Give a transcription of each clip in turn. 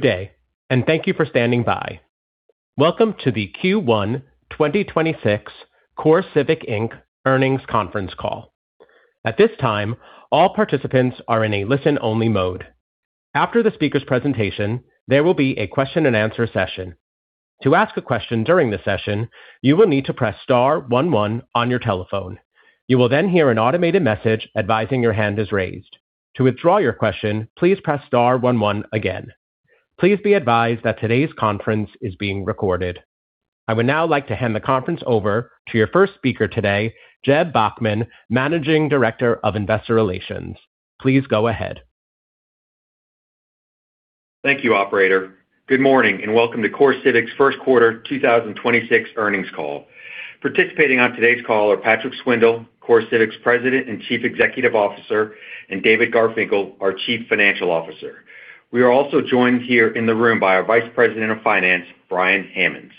Day, and thank you for standing by. Welcome to the Q1 2026 CoreCivic, Inc. Earnings Conference Call. At this time, all participants are in a listen-only mode. After the speaker's presentation, there will be a question-and-answer session. To ask a question during the session, you will need to press star one one on your telephone. You will hear an automated message advising your hand is raised. To withdraw your question, please press star one one again. Please be advised that today's conference is being recorded. I would now like to hand the conference over to your first speaker today, Jeb Bachmann, Managing Director of Investor Relations. Please go ahead. Thank you, operator. Good morning, welcome to CoreCivic's first quarter 2026 earnings call. Participating on today's call are Patrick Swindle, CoreCivic's President and Chief Executive Officer, and David Garfinkle, our Chief Financial Officer. We are also joined here in the room by our Vice President of Finance, Brian Hammonds.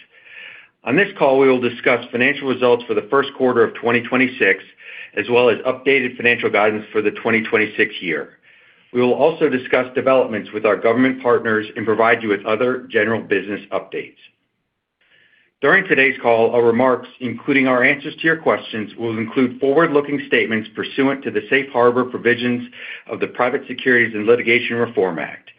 On this call, we will discuss financial results for the first quarter of 2026, as well as updated financial guidance for the 2026 year. We will also discuss developments with our government partners and provide you with other general business updates. During today's call, our remarks, including our answers to your questions, will include forward-looking statements pursuant to the safe harbor provisions of the Private Securities Litigation Reform Act.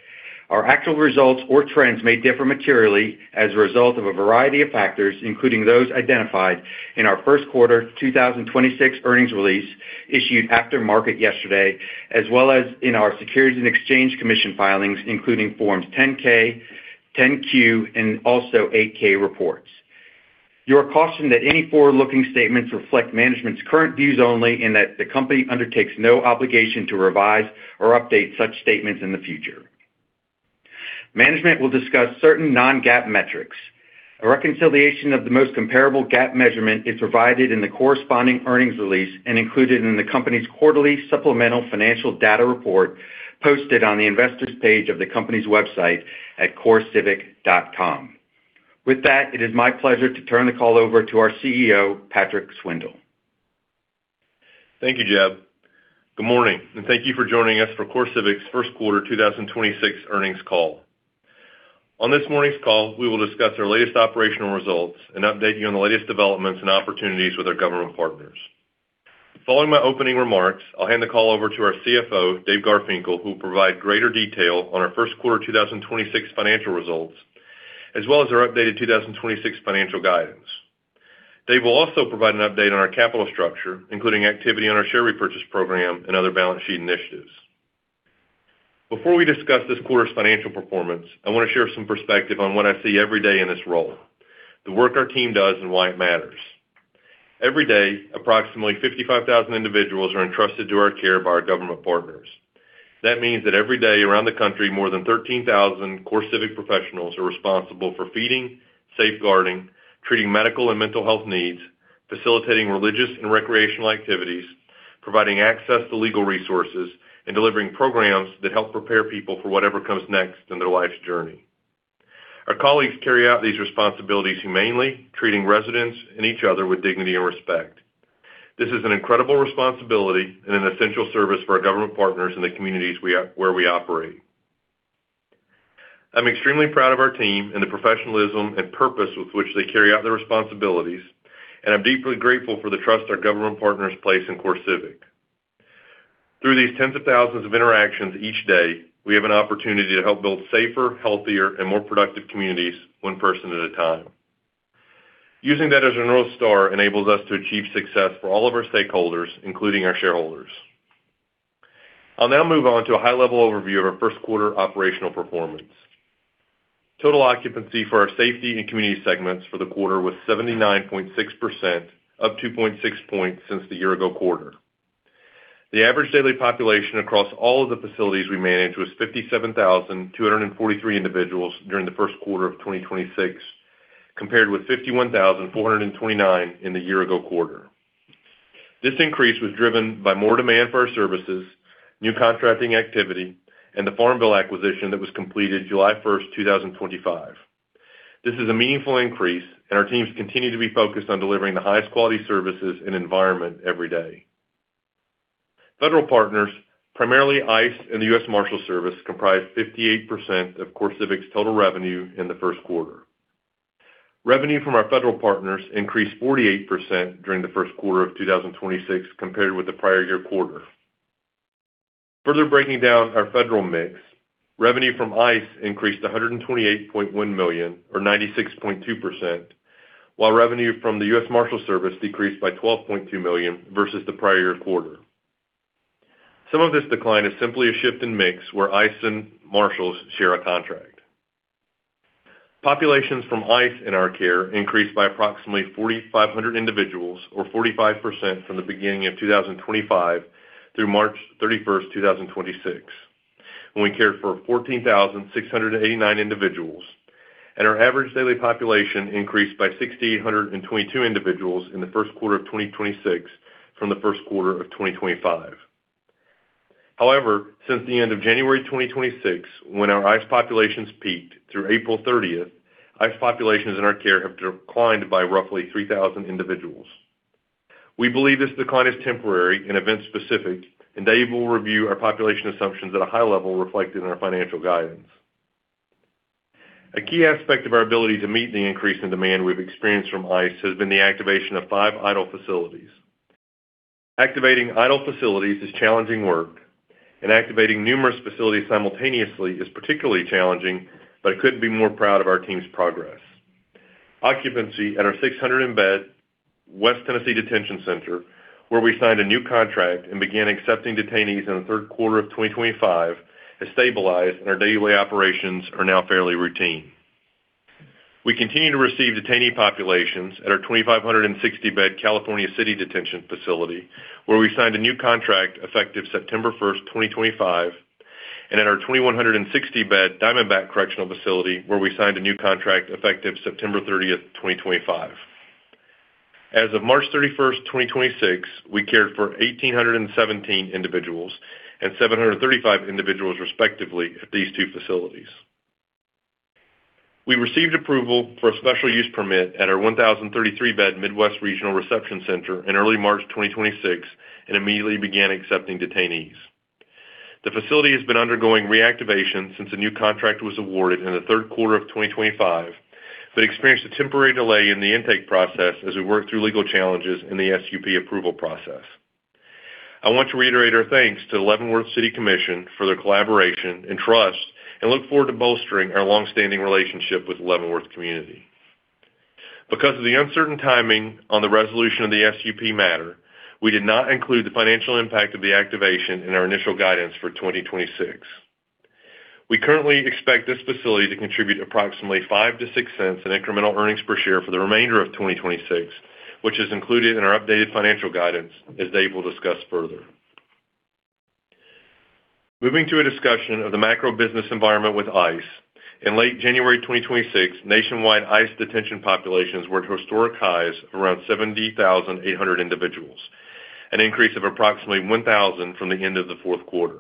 Our actual results or trends may differ materially as a result of a variety of factors, including those identified in our first quarter 2026 earnings release issued after market yesterday, as well as in our Securities and Exchange Commission filings, including Forms 10-K, 10-Q and also 8-K reports. You are cautioned that any forward-looking statements reflect management's current views only and that the company undertakes no obligation to revise or update such statements in the future. Management will discuss certain non-GAAP metrics. A reconciliation of the most comparable GAAP measurement is provided in the corresponding earnings release and included in the company's quarterly supplemental financial data report posted on the investors page of the company's website at corecivic.com. With that, it is my pleasure to turn the call over to our CEO, Patrick Swindle. Thank you, Jeb. Good morning, and thank you for joining us for CoreCivic's first quarter 2026 earnings call. On this morning's call, we will discuss our latest operational results and update you on the latest developments and opportunities with our government partners. Following my opening remarks, I'll hand the call over to our CFO, Dave Garfinkle, who will provide greater detail on our first quarter 2026 financial results, as well as our updated 2026 financial guidance. Dave will also provide an update on our capital structure, including activity on our share repurchase program and other balance sheet initiatives. Before we discuss this quarter's financial performance, I wanna share some perspective on what I see every day in this role, the work our team does and why it matters. Every day, approximately 55,000 individuals are entrusted to our care by our government partners. That means that every day around the country, more than 13,000 CoreCivic professionals are responsible for feeding, safeguarding, treating medical and mental health needs, facilitating religious and recreational activities, providing access to legal resources, and delivering programs that help prepare people for whatever comes next in their life's journey. Our colleagues carry out these responsibilities humanely, treating residents and each other with dignity and respect. This is an incredible responsibility and an essential service for our government partners in the communities where we operate. I'm extremely proud of our team and the professionalism and purpose with which they carry out their responsibilities, and I'm deeply grateful for the trust our government partners place in CoreCivic. Through these tens of thousands of interactions each day, we have an opportunity to help build safer, healthier and more productive communities one person at a time. Using that as a North Star enables us to achieve success for all of our stakeholders, including our shareholders. I'll now move on to a high-level overview of our first quarter operational performance. Total occupancy for our safety and community segments for the quarter was 79.6%, up 2.6 points since the year-ago quarter. The average daily population across all of the facilities we manage was 57,243 individuals during the first quarter of 2026, compared with 51,429 in the year-ago quarter. This increase was driven by more demand for our services, new contracting activity, and the Farmville acquisition that was completed July 1st, 2025. This is a meaningful increase, and our teams continue to be focused on delivering the highest quality services and environment every day. Federal partners, primarily ICE and the U.S. Marshals Service, comprise 58% of CoreCivic's total revenue in the first quarter. Revenue from our federal partners increased 48% during the first quarter of 2026 compared with the prior year quarter. Further breaking down our federal mix, revenue from ICE increased to $128.1 million or 96.2%, while revenue from the U.S. Marshals Service decreased by $12.2 million versus the prior year quarter. Some of this decline is simply a shift in mix where ICE and Marshals share a contract. Populations from ICE in our care increased by approximately 4,500 individuals or 45% from the beginning of 2025 through March 31st, 2026, when we cared for 14,689 individuals, and our average daily population increased by 6,822 individuals in the first quarter of 2026 from the first quarter of 2025. Since the end of January 2026, when our ICE populations peaked through April 30th, ICE populations in our care have declined by roughly 3,000 individuals. We believe this decline is temporary and event-specific, and Dave will review our population assumptions at a high level reflected in our financial guidance. A key aspect of our ability to meet the increase in demand we've experienced from ICE has been the activation of five idle facilities. Activating idle facilities is challenging work, and activating numerous facilities simultaneously is particularly challenging, but I couldn't be more proud of our team's progress. Occupancy at our 600-bed West Tennessee Detention Center, where we signed a new contract and began accepting detainees in the third quarter of 2025, has stabilized, and our daily operations are now fairly routine. We continue to receive detainee populations at our 2,560-bed California City Detention Facility, where we signed a new contract effective September 1st, 2025, and at our 2,160-bed Diamondback Correctional Facility, where we signed a new contract effective September 30th, 2025. As of March 31st, 2026, we cared for 1,817 individuals and 735 individuals respectively at these two facilities. We received approval for a special use permit at our 1,033-bed Midwest Regional Reception Center in early March 2026 and immediately began accepting detainees. The facility has been undergoing reactivation since a new contract was awarded in the third quarter of 2025 but experienced a temporary delay in the intake process as we worked through legal challenges in the SUP approval process. I want to reiterate our thanks to the Leavenworth City Commission for their collaboration and trust and look forward to bolstering our longstanding relationship with Leavenworth community. Because of the uncertain timing on the resolution of the SUP matter, we did not include the financial impact of the activation in our initial guidance for 2026. We currently expect this facility to contribute approximately $0.05-$0.06 in incremental earnings per share for the remainder of 2026, which is included in our updated financial guidance, as Dave will discuss further. Moving to a discussion of the macro business environment with ICE. In late January 2026, nationwide ICE detention populations were at historic highs around 70,800 individuals, an increase of approximately 1,000 from the end of the fourth quarter.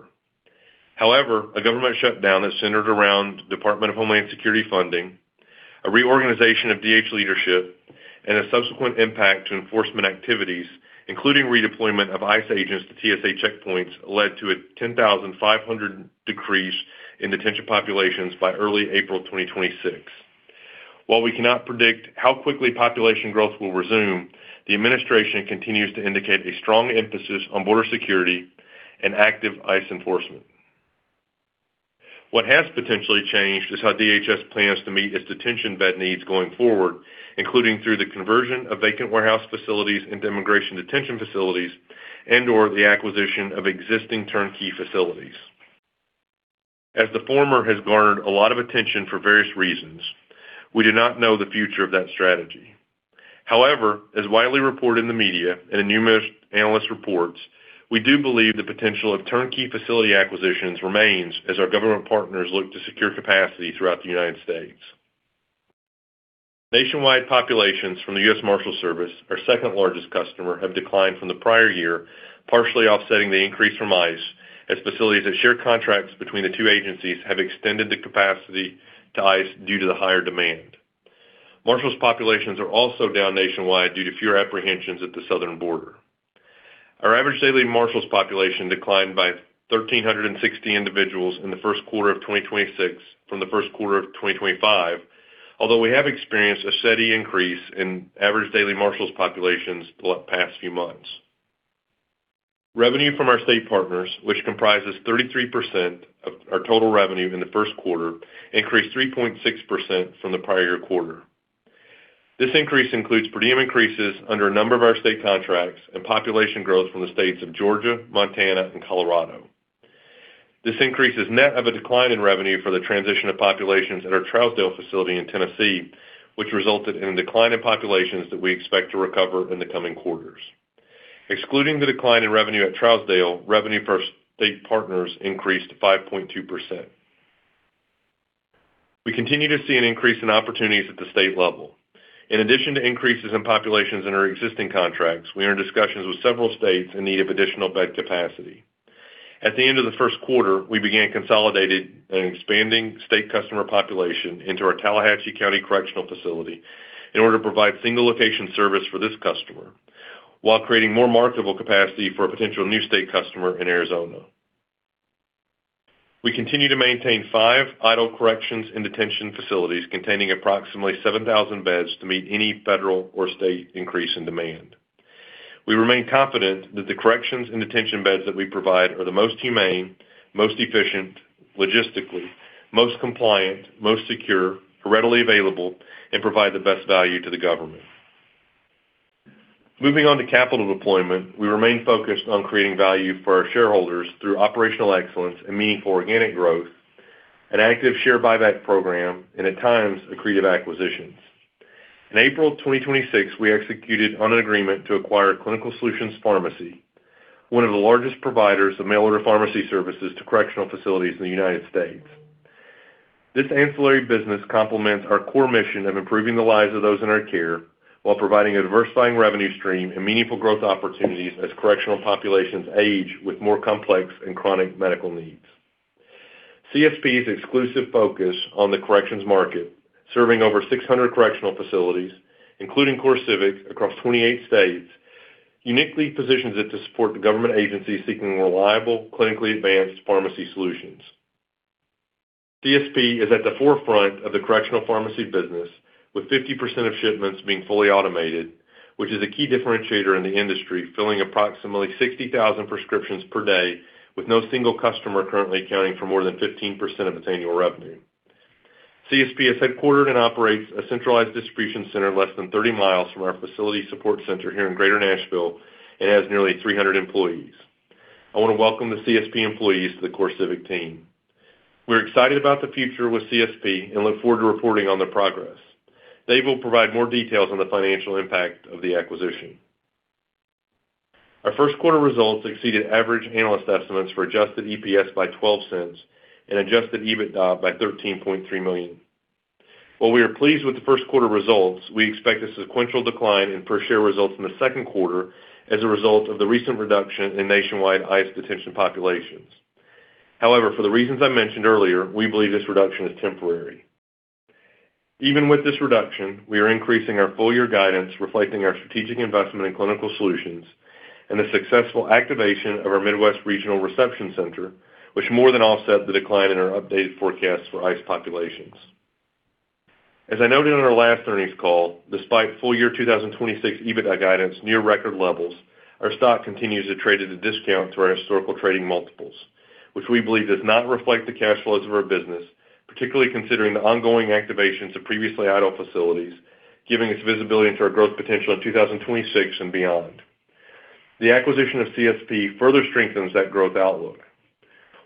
A government shutdown that centered around Department of Homeland Security funding, a reorganization of DHS leadership, and a subsequent impact to enforcement activities, including redeployment of ICE agents to TSA checkpoints, led to a 10,500 decrease in detention populations by early April 2026. While we cannot predict how quickly population growth will resume, the administration continues to indicate a strong emphasis on border security and active ICE enforcement. What has potentially changed is how DHS plans to meet its detention bed needs going forward, including through the conversion of vacant warehouse facilities into immigration detention facilities and/or the acquisition of existing turnkey facilities. As the former has garnered a lot of attention for various reasons, we do not know the future of that strategy. However, as widely reported in the media and in numerous analyst reports, we do believe the potential of turnkey facility acquisitions remains as our government partners look to secure capacity throughout the United States. Nationwide populations from the U.S. Marshals Service, our second-largest customer, have declined from the prior year, partially offsetting the increase from ICE, as facilities that share contracts between the two agencies have extended the capacity to ICE due to the higher demand. Marshals populations are also down nationwide due to fewer apprehensions at the southern border. Our average daily Marshals population declined by 1,360 individuals in the first quarter of 2026 from the first quarter of 2025, although we have experienced a steady increase in average daily Marshals populations the past few months. Revenue from our state partners, which comprises 33% of our total revenue in the first quarter, increased 3.6% from the prior year quarter. This increase includes per diem increases under a number of our state contracts and population growth from the states of Georgia, Montana, and Colorado. This increase is net of a decline in revenue for the transition of populations at our Trousdale facility in Tennessee, which resulted in a decline in populations that we expect to recover in the coming quarters. Excluding the decline in revenue at Trousdale, revenue for state partners increased 5.2%. We continue to see an increase in opportunities at the state level. In addition to increases in populations in our existing contracts, we are in discussions with several states in need of additional bed capacity. At the end of the first quarter, we began consolidating an expanding state customer population into our Tallahatchie County Correctional Facility in order to provide single-location service for this customer while creating more marketable capacity for a potential new state customer in Arizona. We continue to maintain five idle corrections and detention facilities containing approximately 7,000 beds to meet any federal or state increase in demand. We remain confident that the corrections and detention beds that we provide are the most humane, most efficient logistically, most compliant, most secure, are readily available, and provide the best value to the government. Moving on to capital deployment, we remain focused on creating value for our shareholders through operational excellence and meaningful organic growth, an active share buyback program, and at times, accretive acquisitions. In April 2026, we executed on an agreement to acquire Clinical Solutions Pharmacy, one of the largest providers of mail-order pharmacy services to correctional facilities in the United States. This ancillary business complements our core mission of improving the lives of those in our care while providing a diversifying revenue stream and meaningful growth opportunities as correctional populations age with more complex and chronic medical needs. CSP's exclusive focus on the corrections market, serving over 600 correctional facilities, including CoreCivic across 28 states, uniquely positions it to support the government agencies seeking reliable, clinically advanced pharmacy solutions. CSP is at the forefront of the correctional pharmacy business, with 50% of shipments being fully automated, which is a key differentiator in the industry, filling approximately 60,000 prescriptions per day with no single customer currently accounting for more than 15% of its annual revenue. CSP is headquartered and operates a centralized distribution center less than 30 miles from our facility support center here in Greater Nashville, and has nearly 300 employees. I wanna welcome the CSP employees to the CoreCivic team. We're excited about the future with CSP and look forward to reporting on their progress. Dave will provide more details on the financial impact of the acquisition. Our first quarter results exceeded average analyst estimates for adjusted EPS by $0.12 and adjusted EBITDA by $13.3 million. While we are pleased with the first quarter results, we expect a sequential decline in per share results in the second quarter as a result of the recent reduction in nationwide ICE detention populations. However, for the reasons I mentioned earlier, we believe this reduction is temporary. Even with this reduction, we are increasing our full year guidance, reflecting our strategic investment in Clinical Solutions and the successful activation of our Midwest Regional Reception Center, which more than offset the decline in our updated forecast for ICE populations. As I noted on our last earnings call, despite full year 2026 EBITDA guidance near record levels, our stock continues to trade at a discount to our historical trading multiples, which we believe does not reflect the cash flows of our business, particularly considering the ongoing activations of previously idle facilities, giving us visibility into our growth potential in 2026 and beyond. The acquisition of CSP further strengthens that growth outlook.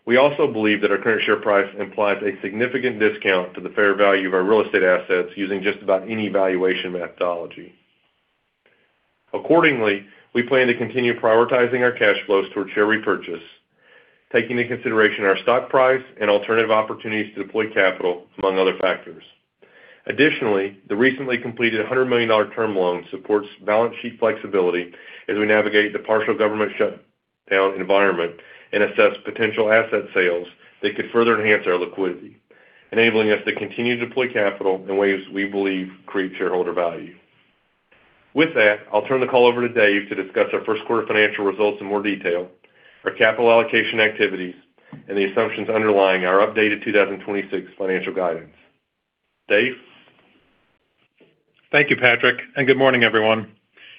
We also believe that our current share price implies a significant discount to the fair value of our real estate assets using just about any valuation methodology. Accordingly, we plan to continue prioritizing our cash flows towards share repurchase, taking into consideration our stock price and alternative opportunities to deploy capital, among other factors. Additionally, the recently completed $100 million term loan supports balance sheet flexibility as we navigate the partial government shutdown environment and assess potential asset sales that could further enhance our liquidity, enabling us to continue to deploy capital in ways we believe create shareholder value. With that, I'll turn the call over to Dave to discuss our first quarter financial results in more detail, our capital allocation activities, and the assumptions underlying our updated 2026 financial guidance. Dave? Thank you, Patrick, and good morning, everyone.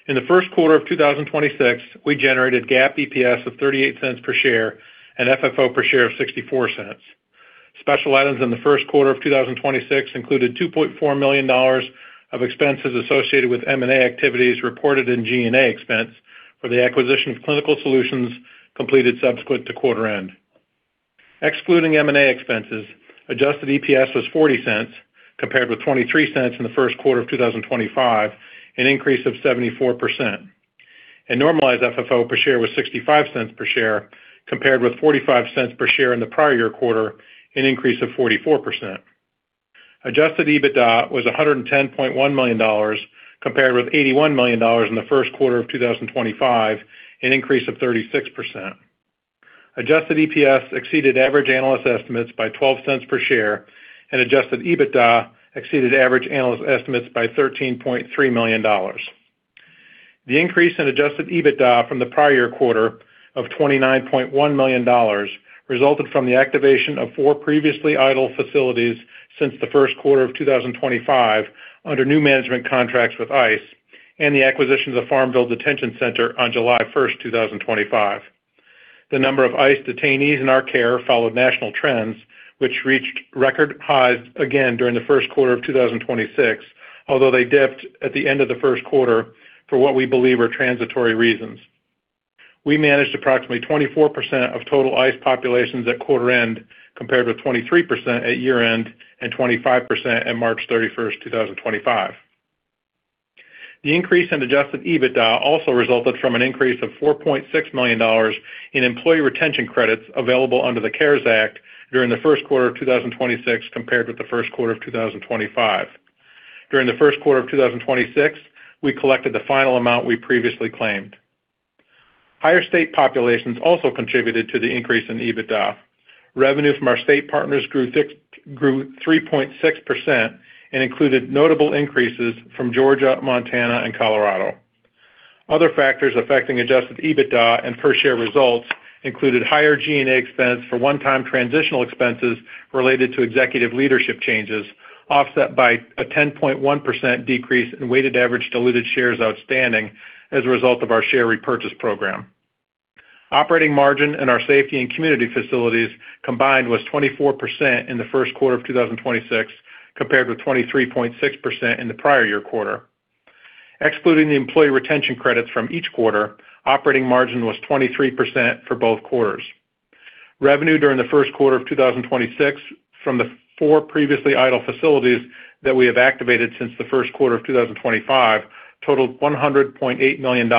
In the first quarter of 2026, we generated GAAP EPS of $0.38 per share and FFO per share of $0.64. Special items in the first quarter of 2026 included $2.4 million of expenses associated with M&A activities reported in G&A expense for the acquisition of Clinical Solutions completed subsequent to quarter end. Excluding M&A expenses, adjusted EPS was $0.40 compared with $0.23 in the first quarter of 2025, an increase of 74%. Normalized FFO per share was $0.65 per share compared with $0.45 per share in the prior year quarter, an increase of 44%. Adjusted EBITDA was $110.1 million compared with $81 million in the first quarter of 2025, an increase of 36%. Adjusted EPS exceeded average analyst estimates by $0.12 per share, and adjusted EBITDA exceeded average analyst estimates by $13.3 million. The increase in adjusted EBITDA from the prior year quarter of $29.1 million resulted from the activation of four previously idle facilities since the first quarter of 2025 under new management contracts with ICE and the acquisition of the Farmville Detention Center on July 1st, 2025. The number of ICE detainees in our care followed national trends, which reached record highs again during the first quarter of 2026, although they dipped at the end of the first quarter for what we believe are transitory reasons. We managed approximately 24% of total ICE populations at quarter end, compared with 23% at year-end and 25% at March 31st, 2025. The increase in adjusted EBITDA also resulted from an increase of $4.6 million in employee retention credits available under the CARES Act during the first quarter of 2026 compared with the first quarter of 2025. During the first quarter of 2026, we collected the final amount we previously claimed. Higher state populations also contributed to the increase in EBITDA. Revenue from our state partners grew 3.6% and included notable increases from Georgia, Montana, and Colorado. Other factors affecting adjusted EBITDA and per share results included higher G&A expense for one-time transitional expenses related to executive leadership changes, offset by a 10.1% decrease in weighted average diluted shares outstanding as a result of our share repurchase program. Operating margin in our safety and community facilities combined was 24% in the first quarter of 2026, compared with 23.6% in the prior year quarter. Excluding the employee retention credits from each quarter, operating margin was 23% for both quarters. Revenue during the first quarter of 2026 from the four previously idle facilities that we have activated since the first quarter of 2025 totaled $100.8 million,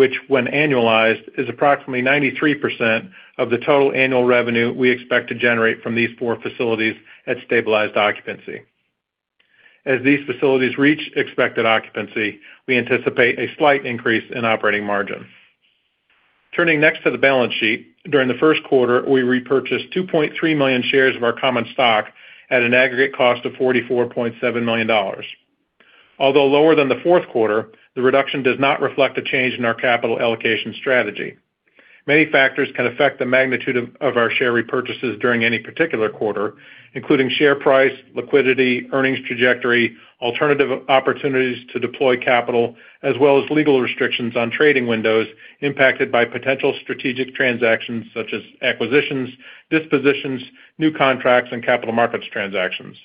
which when annualized, is approximately 93% of the total annual revenue we expect to generate from these four facilities at stabilized occupancy. As these facilities reach expected occupancy, we anticipate a slight increase in operating margin. Turning next to the balance sheet, during the first quarter, we repurchased 2.3 million shares of our common stock at an aggregate cost of $44.7 million. Although lower than the fourth quarter, the reduction does not reflect a change in our capital allocation strategy. Many factors can affect the magnitude of our share repurchases during any particular quarter, including share price, liquidity, earnings trajectory, alternative opportunities to deploy capital, as well as legal restrictions on trading windows impacted by potential strategic transactions such as acquisitions, dispositions, new contracts, and capital markets transactions.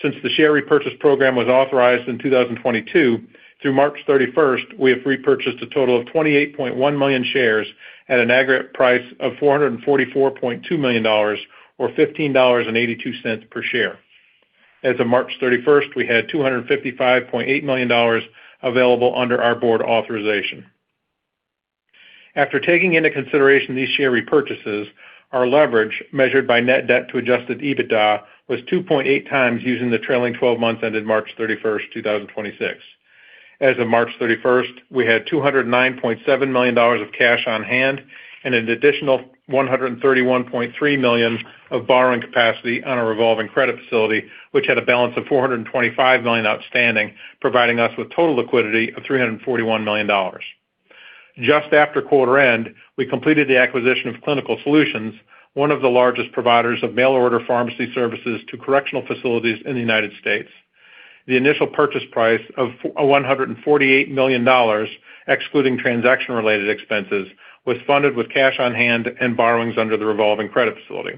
Since the share repurchase program was authorized in 2022, through March 31st, we have repurchased a total of 28.1 million shares at an aggregate price of $444.2 million or $15.82 per share. As of March 31st, we had $255.8 million available under our board authorization. After taking into consideration these share repurchases, our leverage, measured by net debt to adjusted EBITDA, was 2.8x using the trailing 12 months ended March 31st, 2026. As of March 31st, we had $209.7 million of cash on hand and an additional $131.3 million of borrowing capacity on a revolving credit facility, which had a balance of $425 million outstanding, providing us with total liquidity of $341 million. Just after quarter end, we completed the acquisition of Clinical Solutions Pharmacy, one of the largest providers of mail order pharmacy services to correctional facilities in the U.S. The initial purchase price of $148 million, excluding transaction-related expenses, was funded with cash on hand and borrowings under the revolving credit facility.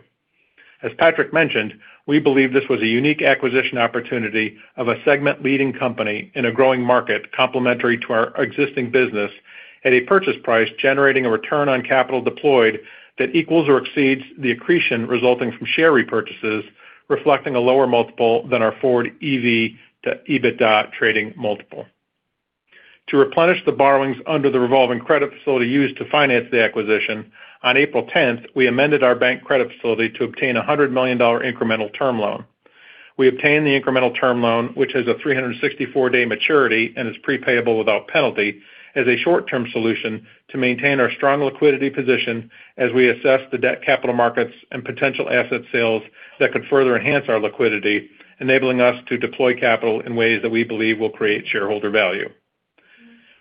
As Patrick mentioned, we believe this was a unique acquisition opportunity of a segment-leading company in a growing market complementary to our existing business at a purchase price generating a return on capital deployed that equals or exceeds the accretion resulting from share repurchases, reflecting a lower multiple than our forward EV to EBITDA trading multiple. To replenish the borrowings under the revolving credit facility used to finance the acquisition, on April 10th, we amended our bank credit facility to obtain a $100 million incremental term loan. We obtained the incremental term loan, which has a 364-day maturity and is pre-payable without penalty, as a short-term solution to maintain our strong liquidity position as we assess the debt capital markets and potential asset sales that could further enhance our liquidity, enabling us to deploy capital in ways that we believe will create shareholder value.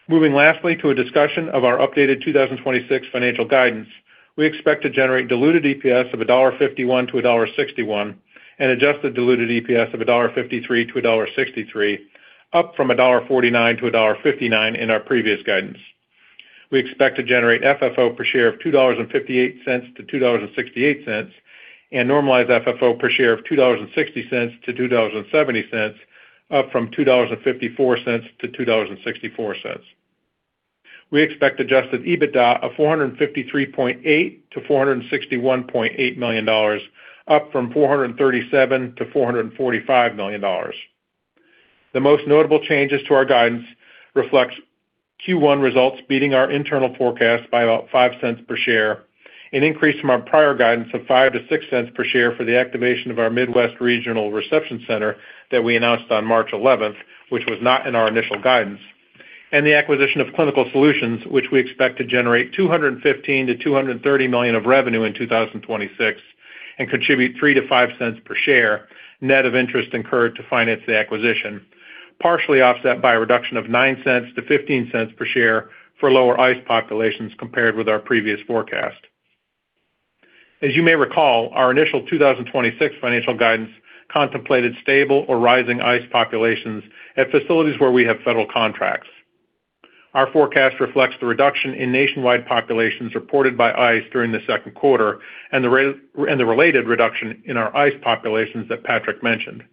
Moving lastly to a discussion of our updated 2026 financial guidance, we expect to generate diluted EPS of $1.51-$1.61 and adjusted diluted EPS of $1.53-$1.63, up from $1.49-$1.59 in our previous guidance. We expect to generate FFO per share of $2.58-$2.68 and normalized FFO per share of $2.60-$2.70, up from $2.54-$2.64. We expect adjusted EBITDA of $453.8 million-$461.8 million, up from $437 million-$445 million. The most notable changes to our guidance reflects Q1 results beating our internal forecast by about $0.05 per share, an increase from our prior guidance of $0.05-$0.06 per share for the activation of our Midwest Regional Reception Center that we announced on March 11th, which was not in our initial guidance. The acquisition of Clinical Solutions, which we expect to generate $215 million-$230 million of revenue in 2026 and contribute $0.03-$0.05 per share, net of interest incurred to finance the acquisition, partially offset by a reduction of $0.09-$0.15 per share for lower ICE populations compared with our previous forecast. As you may recall, our initial 2026 financial guidance contemplated stable or rising ICE populations at facilities where we have federal contracts. Our forecast reflects the reduction in nationwide populations reported by ICE during the second quarter and the related reduction in our ICE populations that Patrick mentioned.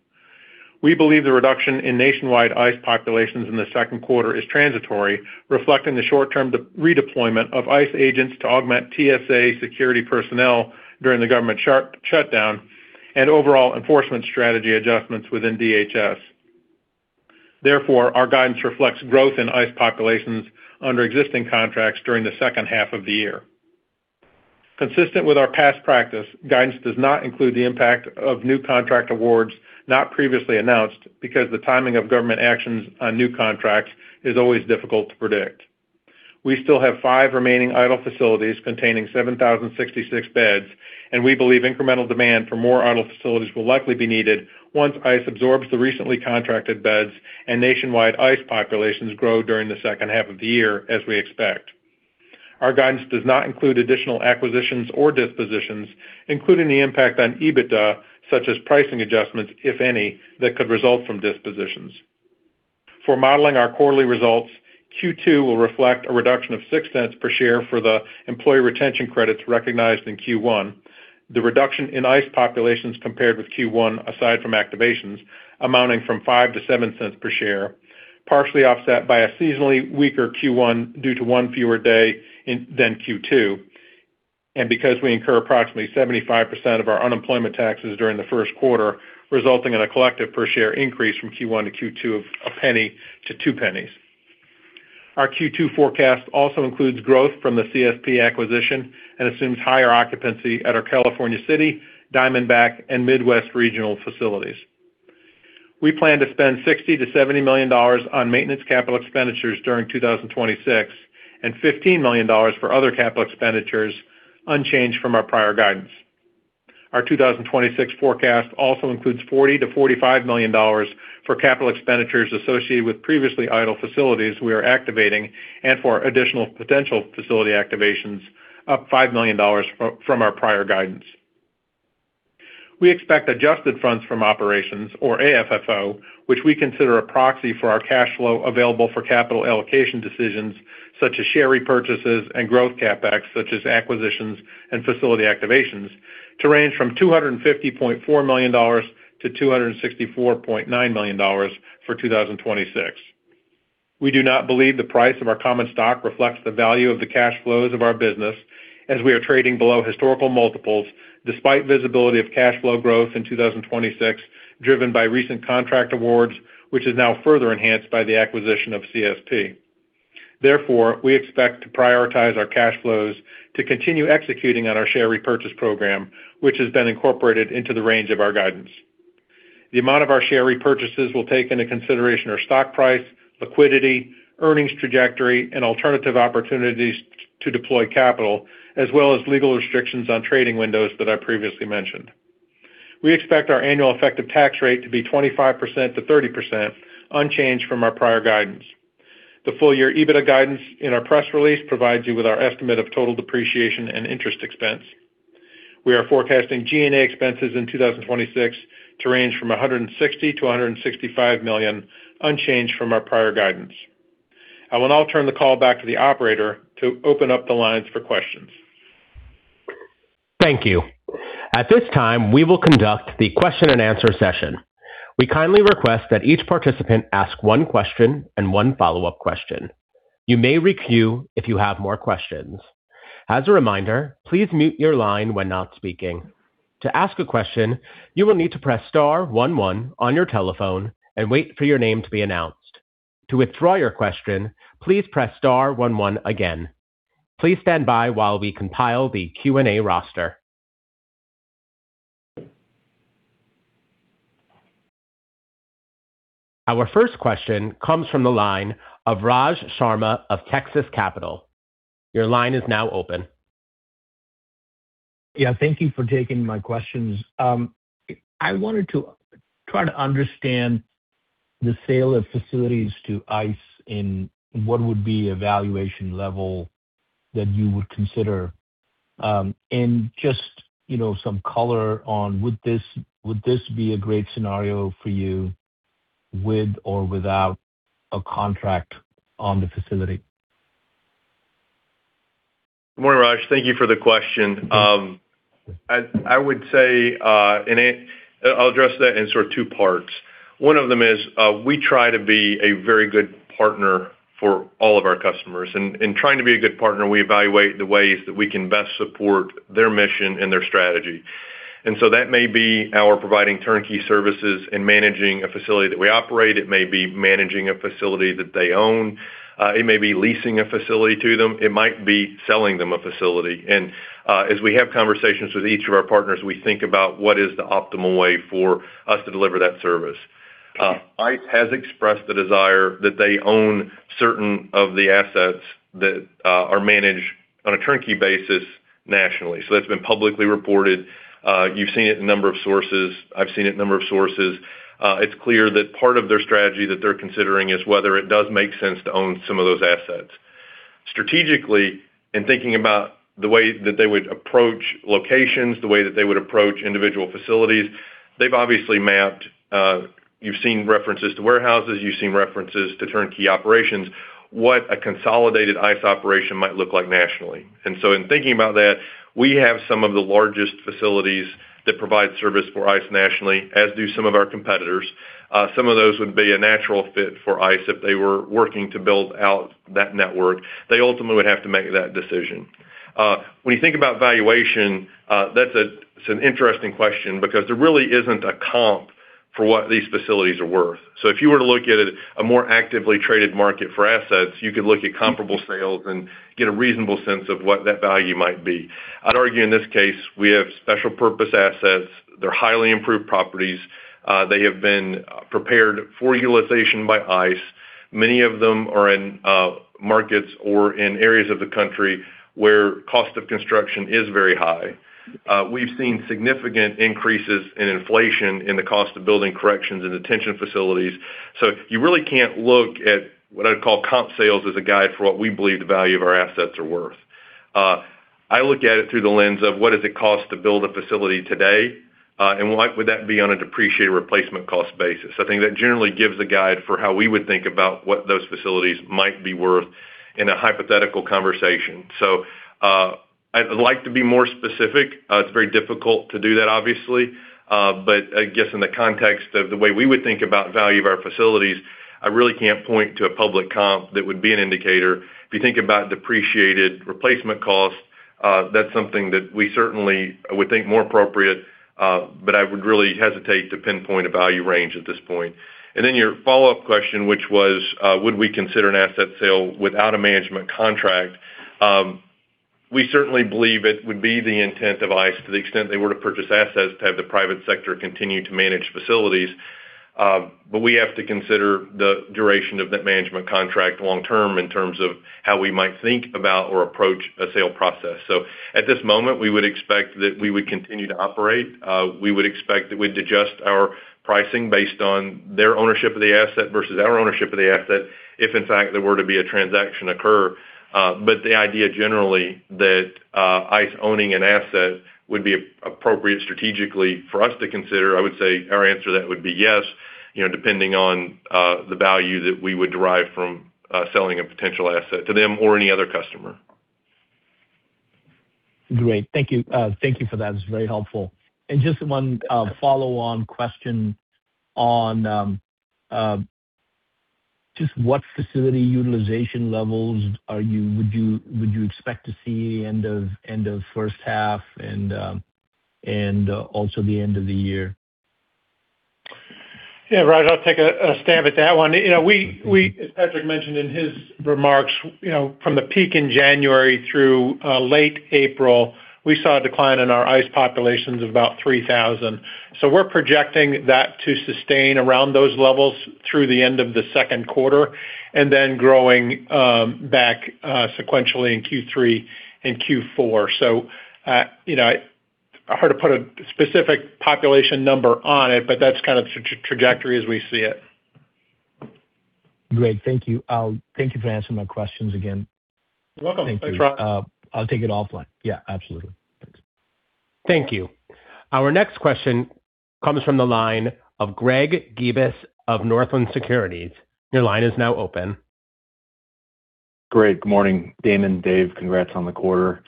We believe the reduction in nationwide ICE populations in the second quarter is transitory, reflecting the short-term redeployment of ICE agents to augment TSA security personnel during the government shutdown and overall enforcement strategy adjustments within DHS. Therefore, our guidance reflects growth in ICE populations under existing contracts during the second half of the year. Consistent with our past practice, guidance does not include the impact of new contract awards not previously announced because the timing of government actions on new contracts is always difficult to predict. We still have five remaining idle facilities containing 7,066 beds. We believe incremental demand for more idle facilities will likely be needed once ICE absorbs the recently contracted beds and nationwide ICE populations grow during the second half of the year, as we expect. Our guidance does not include additional acquisitions or dispositions, including the impact on EBITDA, such as pricing adjustments, if any, that could result from dispositions. For modeling our quarterly results, Q2 will reflect a reduction of $0.06 per share for the employee retention credits recognized in Q1, the reduction in ICE populations compared with Q1 aside from activations amounting from $0.05-$0.07 per share, partially offset by a seasonally weaker Q1 due to one fewer day in- than Q2. Because we incur approximately 75% of our unemployment taxes during the first quarter, resulting in a collective per share increase from Q1-Q2 of $0.01-$0.02. Our Q2 forecast also includes growth from the CSP acquisition and assumes higher occupancy at our California City, Diamondback, and Midwest regional facilities. We plan to spend $60 million-$70 million on maintenance CapEx during 2026, and $15 million for other CapEx, unchanged from our prior guidance. Our 2026 forecast also includes $40 million-$45 million for CapEx associated with previously idle facilities we are activating and for additional potential facility activations, up $5 million from our prior guidance. We expect adjusted funds from operations, or AFFO, which we consider a proxy for our cash flow available for capital allocation decisions such as share repurchases and growth CapEx, such as acquisitions and facility activations, to range from $250.4 million-$264.9 million for 2026. We do not believe the price of our common stock reflects the value of the cash flows of our business, as we are trading below historical multiples despite visibility of cash flow growth in 2026, driven by recent contract awards, which is now further enhanced by the acquisition of CSP. Therefore, we expect to prioritize our cash flows to continue executing on our share repurchase program, which has been incorporated into the range of our guidance. The amount of our share repurchases will take into consideration our stock price, liquidity, earnings trajectory, and alternative opportunities to deploy capital, as well as legal restrictions on trading windows that I previously mentioned. We expect our annual effective tax rate to be 25%-30%, unchanged from our prior guidance. The full year EBITDA guidance in our press release provides you with our estimate of total depreciation and interest expense. We are forecasting G&A expenses in 2026 to range from $160 million-$165 million, unchanged from our prior guidance. I will now turn the call back to the operator to open up the lines for questions. Thank you. At this time, we will conduct the question-and-answer session. We kindly request that each participant ask one question and one follow-up question. You may queue if you have more questions. As a reminder, please mute your line when not speaking. To ask a question, you will need to press star one one on your telephone and wait for your name to be announced. To withdraw your question, please press star one one again. Please stand by while we compile the Q&A roster. Our first question comes from the line of Raj Sharma of Texas Capital. Your line is now open. Yeah, thank you for taking my questions. I wanted to try to understand the sale of facilities to ICE and what would be a valuation level that you would consider, and just, you know, some color on would this be a great scenario for you with or without a contract on the facility? Good morning, Raj. Thank you for the question. I would say, and I'll address that in sort of two parts. One of them is, we try to be a very good partner for all of our customers. In trying to be a good partner, we evaluate the ways that we can best support their mission and their strategy. That may be our providing turnkey services and managing a facility that we operate. It may be managing a facility that they own. It may be leasing a facility to them. It might be selling them a facility. As we have conversations with each of our partners, we think about what is the optimal way for us to deliver that service. ICE has expressed the desire that they own certain of the assets that are managed on a turnkey basis nationally. That's been publicly reported. You've seen it in a number of sources. I've seen it in a number of sources. It's clear that part of their strategy that they're considering is whether it does make sense to own some of those assets. Strategically, in thinking about the way that they would approach locations, the way that they would approach individual facilities, they've obviously mapped, you've seen references to warehouses, you've seen references to turnkey operations, what a consolidated ICE operation might look like nationally. In thinking about that, we have some of the largest facilities that provide service for ICE nationally, as do some of our competitors. Some of those would be a natural fit for ICE if they were working to build out that network. They ultimately would have to make that decision. When you think about valuation, that's an interesting question because there really isn't a comp for what these facilities are worth. If you were to look at a more actively traded market for assets, you could look at comparable sales and get a reasonable sense of what that value might be. I'd argue in this case, we have special purpose assets. They're highly improved properties. They have been prepared for utilization by ICE. Many of them are in markets or in areas of the country where cost of construction is very high. We've seen significant increases in inflation in the cost of building corrections and detention facilities. You really can't look at what I'd call comp sales as a guide for what we believe the value of our assets are worth. I look at it through the lens of what does it cost to build a facility today, and what would that be on a depreciated replacement cost basis. I think that generally gives a guide for how we would think about what those facilities might be worth in a hypothetical conversation. I'd like to be more specific. It's very difficult to do that obviously. I guess in the context of the way we would think about value of our facilities, I really can't point to a public comp that would be an indicator. If you think about depreciated replacement cost, that's something that we certainly would think more appropriate, but I would really hesitate to pinpoint a value range at this point. Your follow-up question, which was, would we consider an asset sale without a management contract? We certainly believe it would be the intent of ICE to the extent they were to purchase assets to have the private sector continue to manage facilities. But we have to consider the duration of that management contract long term in terms of how we might think about or approach a sale process. At this moment, we would expect that we would continue to operate. We would expect that we'd adjust our pricing based on their ownership of the asset versus our ownership of the asset, if in fact there were to be a transaction occur. The idea generally that ICE owning an asset would be appropriate strategically for us to consider, I would say our answer to that would be yes, you know, depending on the value that we would derive from selling a potential asset to them or any other customer. Great. Thank you. Thank you for that. It's very helpful. Just one follow-on question on just what facility utilization levels would you expect to see end of first half and also the end of the year? Yeah, Raj, I'll take a stab at that one. You know, we as Patrick mentioned in his remarks, you know, from the peak in January through late April, we saw a decline in our ICE populations of about 3,000. We're projecting that to sustain around those levels through the end of the second quarter, and then growing back sequentially in Q3 and Q4. You know, hard to put a specific population number on it, but that's kind of the trajectory as we see it. Great. Thank you. Thank you for answering my questions again. You're welcome. Thanks, Raj. I'll take it offline. Yeah, absolutely. Thanks. Thank you. Our next question comes from the line of Greg Gibas of Northland Securities. Your line is now open. Great. Good morning, Damon, Dave. Congrats on the quarter.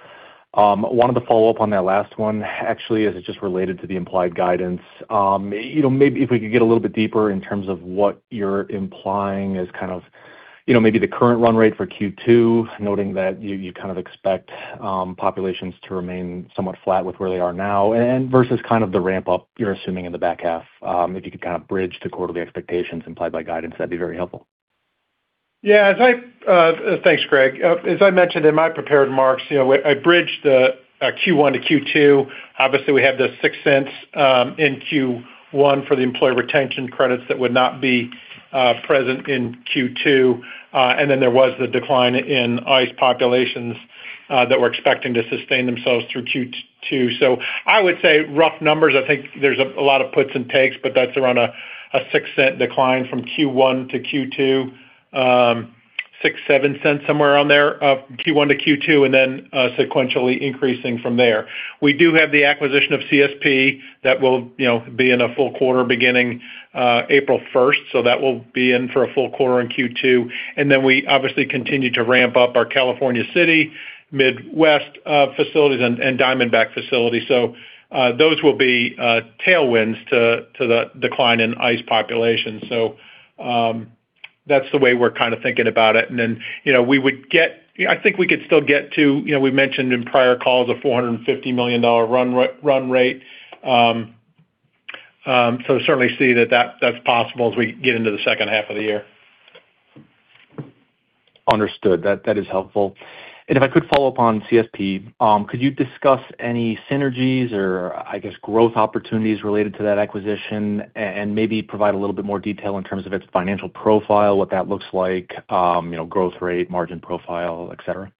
wanted to follow up on that last one. Actually, it's just related to the implied guidance. you know, maybe if we could get a little bit deeper in terms of what you're implying as kind of, you know, maybe the current run rate for Q2, noting that you kind of expect populations to remain somewhat flat with where they are now and versus kind of the ramp up you're assuming in the back half. if you could kind of bridge the quarterly expectations implied by guidance, that'd be very helpful. Yeah. Thanks, Greg. As I mentioned in my prepared remarks, I bridged Q1 to Q2. Obviously, we have the $0.06 in Q1 for the employee retention credits that would not be present in Q2. There was the decline in ICE populations that we're expecting to sustain themselves through Q2. I would say rough numbers, I think there's a lot of puts and takes, but that's around a $0.06 decline from Q1 to Q2. $0.06-$0.07 somewhere around there, Q1 to Q2, then sequentially increasing from there. We do have the acquisition of CSP that will be in a full quarter beginning April 1st. That will be in for a full quarter in Q2. We obviously continue to ramp up our California City, Midwest facilities and Diamondback facility. Those will be tailwinds to the decline in ICE population. That's the way we're kind of thinking about it. You know, we would get I think we could still get to, you know, we mentioned in prior calls a $450 million run rate. Certainly see that's possible as we get into the second half of the year. Understood. That is helpful. If I could follow up on CSP, could you discuss any synergies or I guess growth opportunities related to that acquisition and maybe provide a little bit more detail in terms of its financial profile, what that looks like, you know, growth rate, margin profile, et cetera?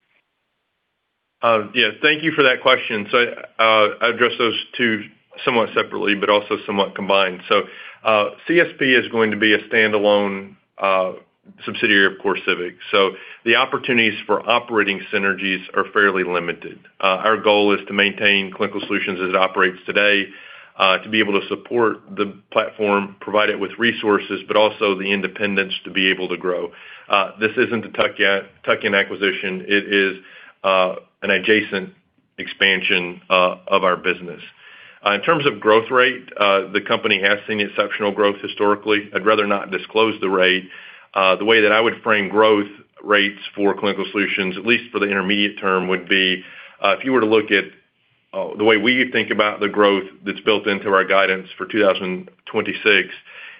Yeah. Thank you for that question. I'll address those two somewhat separately but also somewhat combined. CSP is going to be a standalone subsidiary of CoreCivic, so the opportunities for operating synergies are fairly limited. Our goal is to maintain Clinical Solutions as it operates today, to be able to support the platform, provide it with resources, but also the independence to be able to grow. This isn't a tuck-in acquisition. It is an adjacent expansion of our business. In terms of growth rate, the company has seen exceptional growth historically. I'd rather not disclose the rate. The way that I would frame growth rates for Clinical Solutions, at least for the intermediate term, would be, if you were to look at the way we think about the growth that's built into our guidance for 2026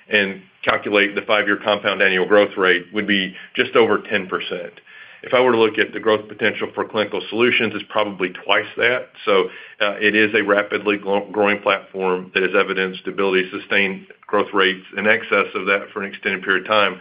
and calculate the five-year compound annual growth rate would be just over 10%. If I were to look at the growth potential for Clinical Solutions, it's probably twice that. It is a rapidly growing platform that has evidenced ability to sustain growth rates in excess of that for an extended period of time.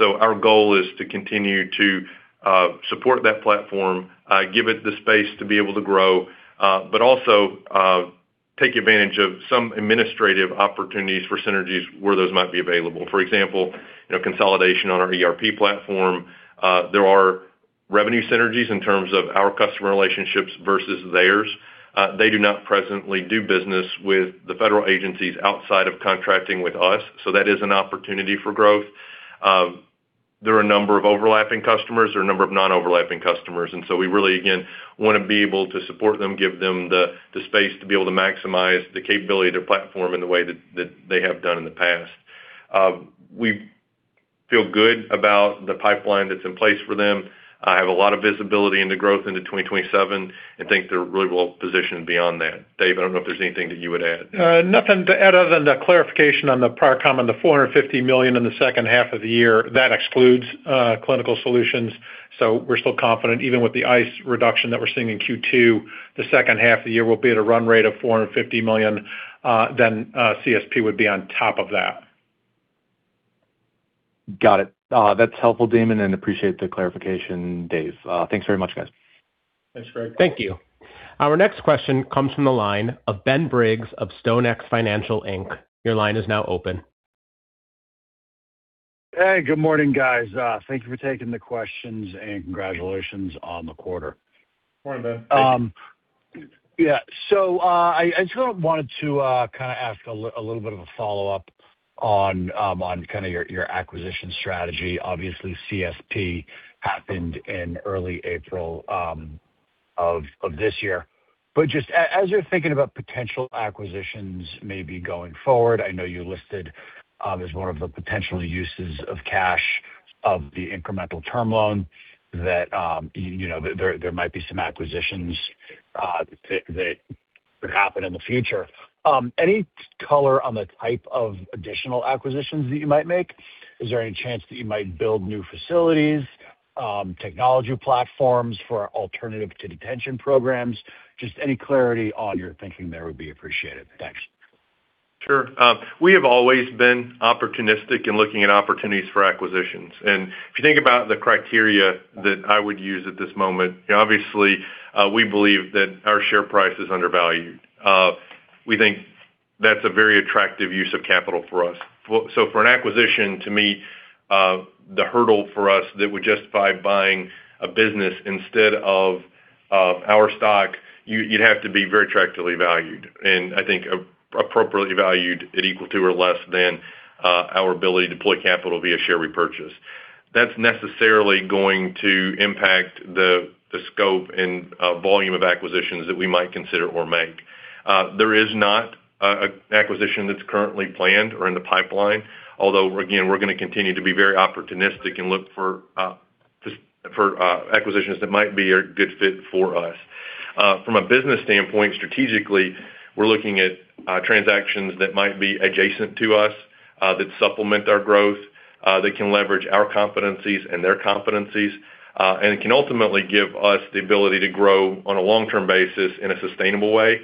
Our goal is to continue to support that platform, give it the space to be able to grow, but also take advantage of some administrative opportunities for synergies where those might be available. For example, you know, consolidation on our ERP platform. There are revenue synergies in terms of our customer relationships versus theirs. They do not presently do business with the federal agencies outside of contracting with us, so that is an opportunity for growth. There are a number of overlapping customers, there are a number of non-overlapping customers, and so we really, again, wanna be able to support them, give them the space to be able to maximize the capability of their platform in the way that they have done in the past. Feel good about the pipeline that's in place for them. I have a lot of visibility into growth into 2027 and think they're really well positioned beyond that. Dave, I don't know if there's anything that you would add. Nothing to add other than the clarification on the prior comment, the $450 million in the second half of the year. That excludes Clinical Solutions, so we're still confident even with the ICE reduction that we're seeing in Q2, the second half of the year will be at a run rate of $450 million, then CSP would be on top of that. Got it. That's helpful, Damon. Appreciate the clarification, Dave. Thanks very much, guys. Thanks, Greg. Thank you. Our next question comes from the line of Ben Briggs of StoneX Financial Inc. Your line is now open. Hey, good morning, guys. Thank you for taking the questions, and congratulations on the quarter. Morning, Ben. Yeah. I just wanted to ask a little bit of a follow-up on kind of your acquisition strategy. Obviously, CSP happened in early April of this year. As you're thinking about potential acquisitions maybe going forward, I know you listed as one of the potential uses of cash of the incremental term loan that you know there might be some acquisitions that could happen in the future. Any color on the type of additional acquisitions that you might make? Is there any chance that you might build new facilities, technology platforms for alternative to detention programs? Just any clarity on your thinking there would be appreciated. Thanks. Sure. We have always been opportunistic in looking at opportunities for acquisitions. If you think about the criteria that I would use at this moment, obviously, we believe that our share price is undervalued. We think that's a very attractive use of capital for us. For an acquisition to meet the hurdle for us that would justify buying a business instead of our stock, you'd have to be very attractively valued, and I think appropriately valued at equal to or less than our ability to deploy capital via share repurchase. That's necessarily going to impact the scope and volume of acquisitions that we might consider or make. There is not a acquisition that's currently planned or in the pipeline, although, again, we're gonna continue to be very opportunistic and look for just for acquisitions that might be a good fit for us. From a business standpoint, strategically, we're looking at transactions that might be adjacent to us, that supplement our growth, that can leverage our competencies and their competencies, and can ultimately give us the ability to grow on a long-term basis in a sustainable way.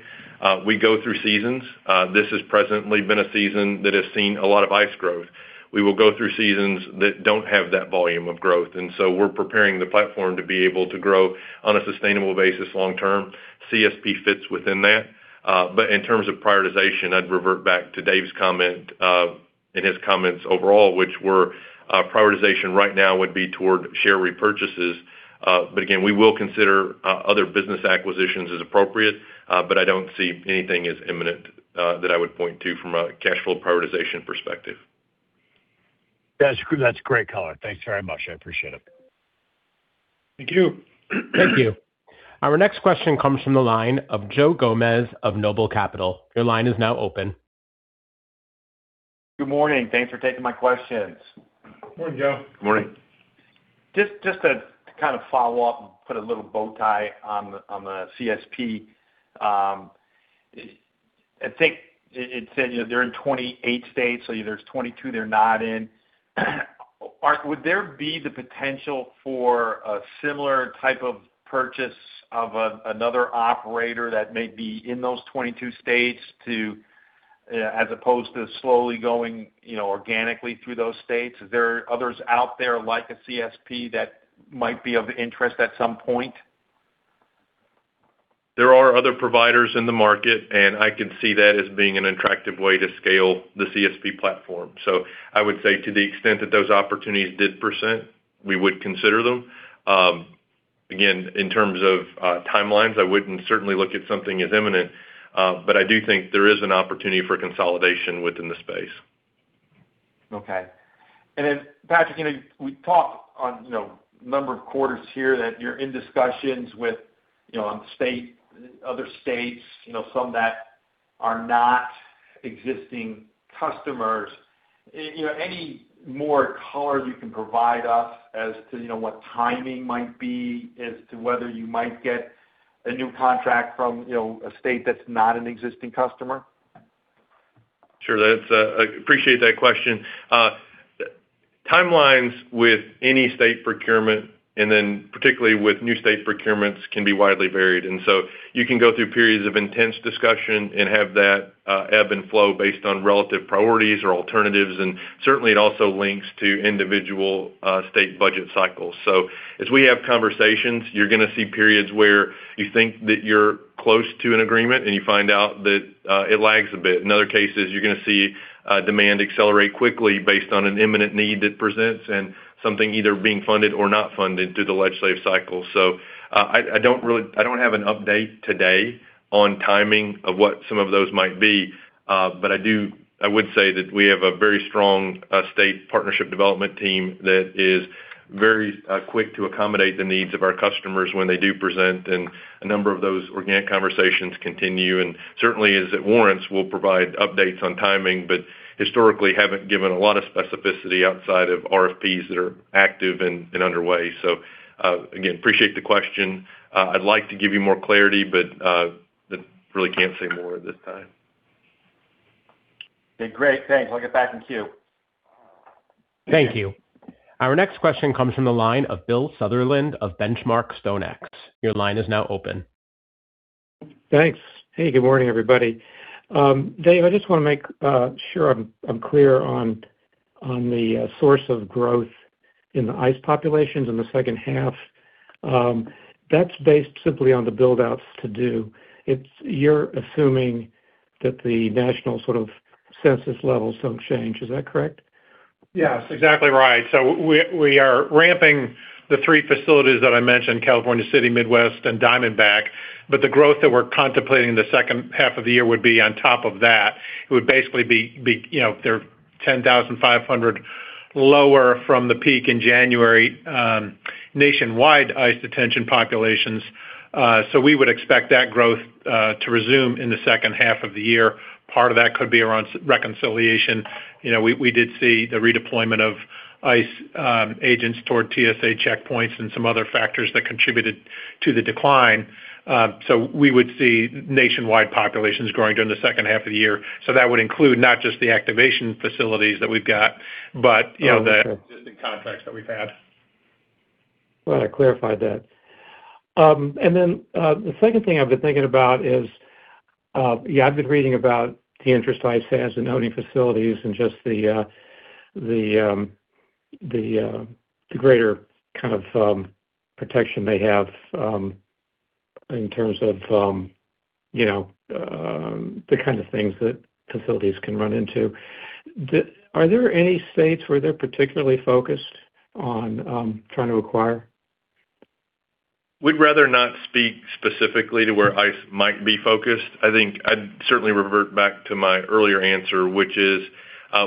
We go through seasons. This has presently been a season that has seen a lot of ICE growth. We will go through seasons that don't have that volume of growth, and so we're preparing the platform to be able to grow on a sustainable basis long term. CSP fits within that. In terms of prioritization, I'd revert back to Dave's comment, and his comments overall, which were, prioritization right now would be toward share repurchases. Again, we will consider other business acquisitions as appropriate, I don't see anything as imminent that I would point to from a cash flow prioritization perspective. That's great color. Thanks very much. I appreciate it. Thank you. Thank you. Our next question comes from the line of Joe Gomes of Noble Capital. Your line is now open. Good morning. Thanks for taking my questions. Morning, Joe. Morning. Just to kind of follow up and put a little bow tie on the CSP, I think it said, you know, they're in 28 states, so there's 22 they're not in. Mark, would there be the potential for a similar type of purchase of another operator that may be in those 22 states to as opposed to slowly going, you know, organically through those states? Is there others out there like a CSP that might be of interest at some point? There are other providers in the market, and I can see that as being an attractive way to scale the CSP platform. I would say to the extent that those opportunities did present, we would consider them. Again, in terms of timelines, I wouldn't certainly look at something as imminent, but I do think there is an opportunity for consolidation within the space. Okay. Patrick, you know, we've talked on, you know, a number of quarters here that you're in discussions with, you know, on state, other states, you know, some that are not existing customers. You know, any more color you can provide us as to, you know, what timing might be as to whether you might get a new contract from, you know, a state that's not an existing customer? Sure. That's I appreciate that question. Timelines with any state procurement and then particularly with new state procurements can be widely varied. You can go through periods of intense discussion and have that ebb and flow based on relative priorities or alternatives, and certainly it also links to individual state budget cycles. As we have conversations, you're gonna see periods where you think that you're close to an agreement, and you find out that it lags a bit. In other cases, you're gonna see demand accelerate quickly based on an imminent need that presents and something either being funded or not funded through the legislative cycle. I don't have an update today on timing of what some of those might be, but I would say that we have a very strong state partnership development team that is very quick to accommodate the needs of our customers when they do present, and a number of those organic conversations continue. Certainly as it warrants, we'll provide updates on timing, but historically haven't given a lot of specificity outside of RFPs that are active and underway. Again, appreciate the question. I'd like to give you more clarity, but really can't say more at this time. Okay, great. Thanks. I'll get back in queue. Thank you. Our next question comes from the line of Bill Sutherland of Benchmark StoneX. Thanks. Hey, good morning, everybody. Dave, I just wanna make sure I'm clear on the source of growth in the ICE populations in the second half. That's based simply on the build-outs to do. You're assuming that the national sort of census levels don't change. Is that correct? Yes, exactly right. We are ramping the three facilities that I mentioned, California City, Midwest, and Diamondback, but the growth that we're contemplating in the second half of the year would be on top of that. It would basically be, you know, they're 10,500 lower from the peak in January, nationwide ICE detention populations. We would expect that growth to resume in the second half of the year. Part of that could be around Reconciliation. You know, we did see the redeployment of ICE agents toward TSA checkpoints and some other factors that contributed to the decline. We would see nationwide populations growing during the second half of the year. That would include not just the activation facilities that we've got. Okay. Existing contracts that we've had. Glad I clarified that. The second thing I've been thinking about is, I've been reading about the interest ICE has in owning facilities and just the greater kind of protection they have in terms of, you know, the kind of things that facilities can run into. Are there any states where they're particularly focused on trying to acquire? We'd rather not speak specifically to where ICE might be focused. I think I'd certainly revert back to my earlier answer, which is,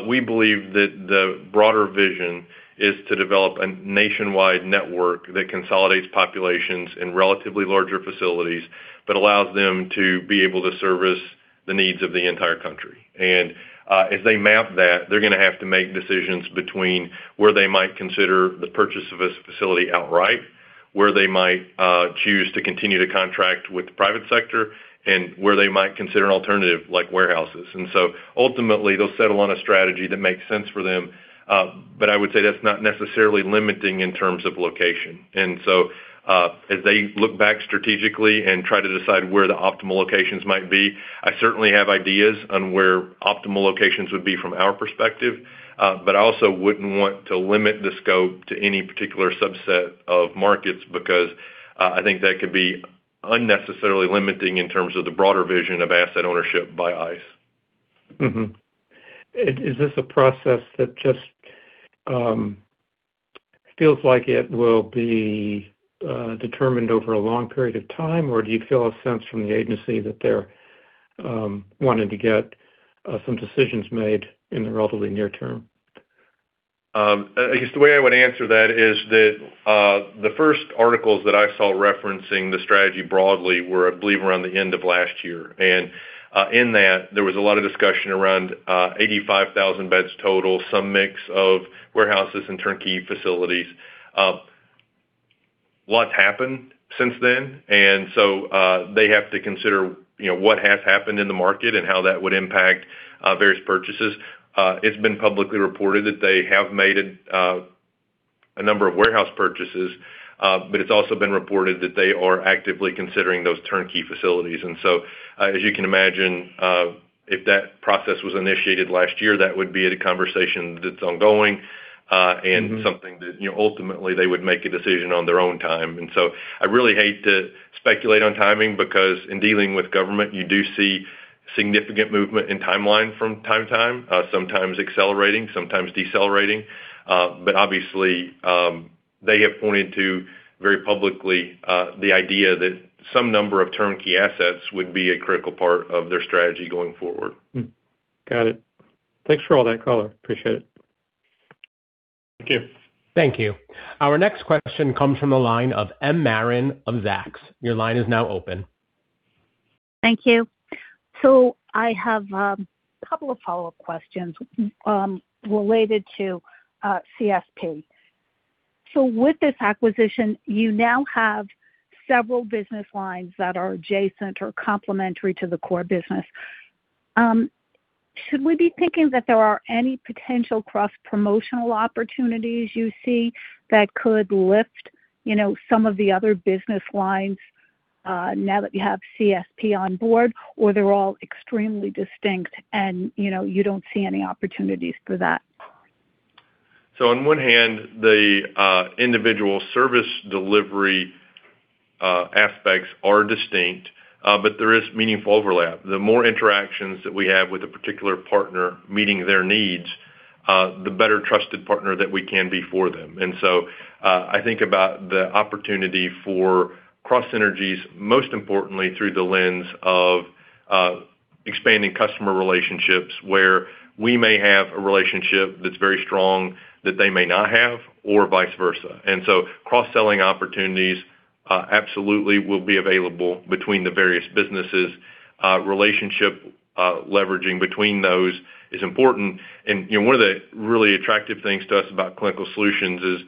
we believe that the broader vision is to develop a nationwide network that consolidates populations in relatively larger facilities, but allows them to be able to service the needs of the entire country. As they map that, they're gonna have to make decisions between where they might consider the purchase of this facility outright, where they might choose to continue to contract with the private sector, and where they might consider an alternative like warehouses. Ultimately, they'll settle on a strategy that makes sense for them. I would say that's not necessarily limiting in terms of location. As they look back strategically and try to decide where the optimal locations might be, I certainly have ideas on where optimal locations would be from our perspective. I also wouldn't want to limit the scope to any particular subset of markets because I think that could be unnecessarily limiting in terms of the broader vision of asset ownership by ICE. Is this a process that just feels like it will be determined over a long period of time, or do you feel a sense from the agency that they're wanting to get some decisions made in the relatively near term? I guess the way I would answer that is that the first articles that I saw referencing the strategy broadly were, I believe, around the end of last year. In that, there was a lot of discussion around 85,000 beds total, some mix of warehouses and turnkey facilities. What's happened since then, they have to consider, you know, what has happened in the market and how that would impact various purchases. It's been publicly reported that they have made a number of warehouse purchases, it's also been reported that they are actively considering those turnkey facilities. As you can imagine, if that process was initiated last year, that would be a conversation that's ongoing. Something that, you know, ultimately they would make a decision on their own time. I really hate to speculate on timing because in dealing with government, you do see significant movement in timeline from time to time, sometimes accelerating, sometimes decelerating. Obviously, they have pointed to very publicly, the idea that some number of turnkey assets would be a critical part of their strategy going forward. Got it. Thanks for all that color. Appreciate it. Thank you. Thank you. Our next question comes from the line of M. Marin of Zacks. Your line is now open. Thank you. I have a couple of follow-up questions related to CSP. With this acquisition, you now have several business lines that are adjacent or complementary to the core business. Should we be thinking that there are any potential cross-promotional opportunities you see that could lift, you know, some of the other business lines, now that you have CSP on board, or they're all extremely distinct and, you know, you don't see any opportunities for that? On one hand, the individual service delivery aspects are distinct, but there is meaningful overlap. The more interactions that we have with a particular partner meeting their needs, the better trusted partner that we can be for them. I think about the opportunity for cross synergies, most importantly through the lens of expanding customer relationships, where we may have a relationship that's very strong that they may not have or vice versa. Cross-selling opportunities absolutely will be available between the various businesses. Relationship leveraging between those is important. You know, one of the really attractive things to us about Clinical Solutions is,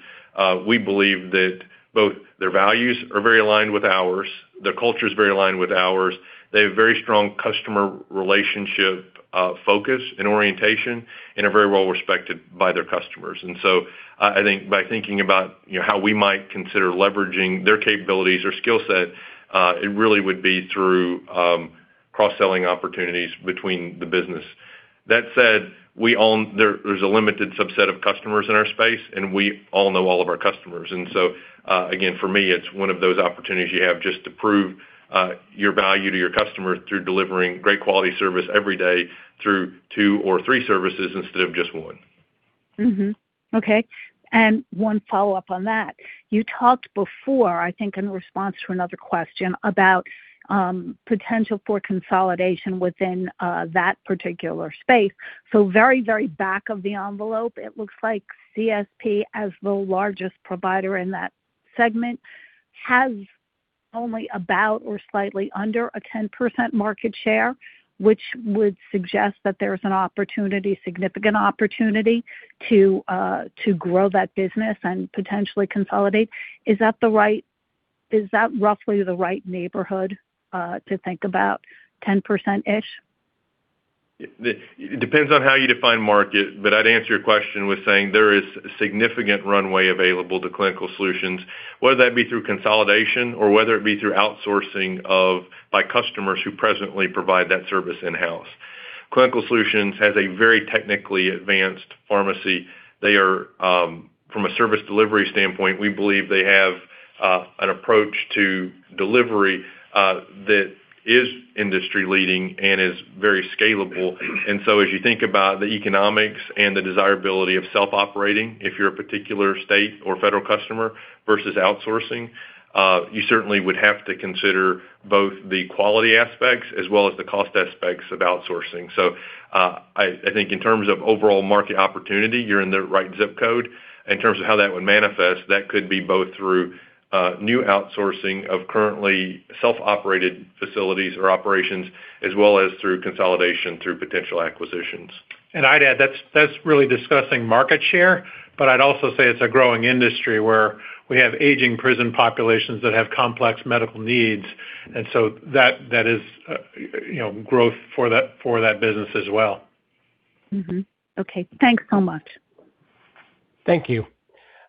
we believe that both their values are very aligned with ours, their culture is very aligned with ours. They have very strong customer relationship focus and orientation, and are very well respected by their customers. I think by thinking about, you know, how we might consider leveraging their capabilities or skill set, it really would be through cross-selling opportunities between the business. That said, there's a limited subset of customers in our space, and we all know all of our customers. Again, for me, it's one of those opportunities you have just to prove your value to your customer through delivering great quality service every day through two or three services instead of just one. Okay. One follow-up on that. You talked before, I think in response to another question, about potential for consolidation within that particular space. Very, very back of the envelope, it looks like CSP, as the largest provider in that segment, has only about or slightly under a 10% market share, which would suggest that there's an opportunity, significant opportunity to grow that business and potentially consolidate. Is that roughly the right neighborhood to think about, 10%-ish? It depends on how you define market, I'd answer your question with saying there is significant runway available to Clinical Solutions, whether that be through consolidation or whether it be through outsourcing by customers who presently provide that service in-house. Clinical Solutions has a very technically advanced pharmacy. They are, from a service delivery standpoint, we believe they have an approach to delivery that is industry-leading and is very scalable. As you think about the economics and the desirability of self-operating, if you're a particular state or federal customer versus outsourcing, you certainly would have to consider both the quality aspects as well as the cost aspects of outsourcing. I think in terms of overall market opportunity, you're in the right ZIP code. In terms of how that would manifest, that could be both through new outsourcing of currently self-operated facilities or operations, as well as through consolidation through potential acquisitions. I'd add that's really discussing market share, but I'd also say it's a growing industry where we have aging prison populations that have complex medical needs. So that is, you know, growth for that business as well. Mm-hmm. Okay. Thanks so much. Thank you.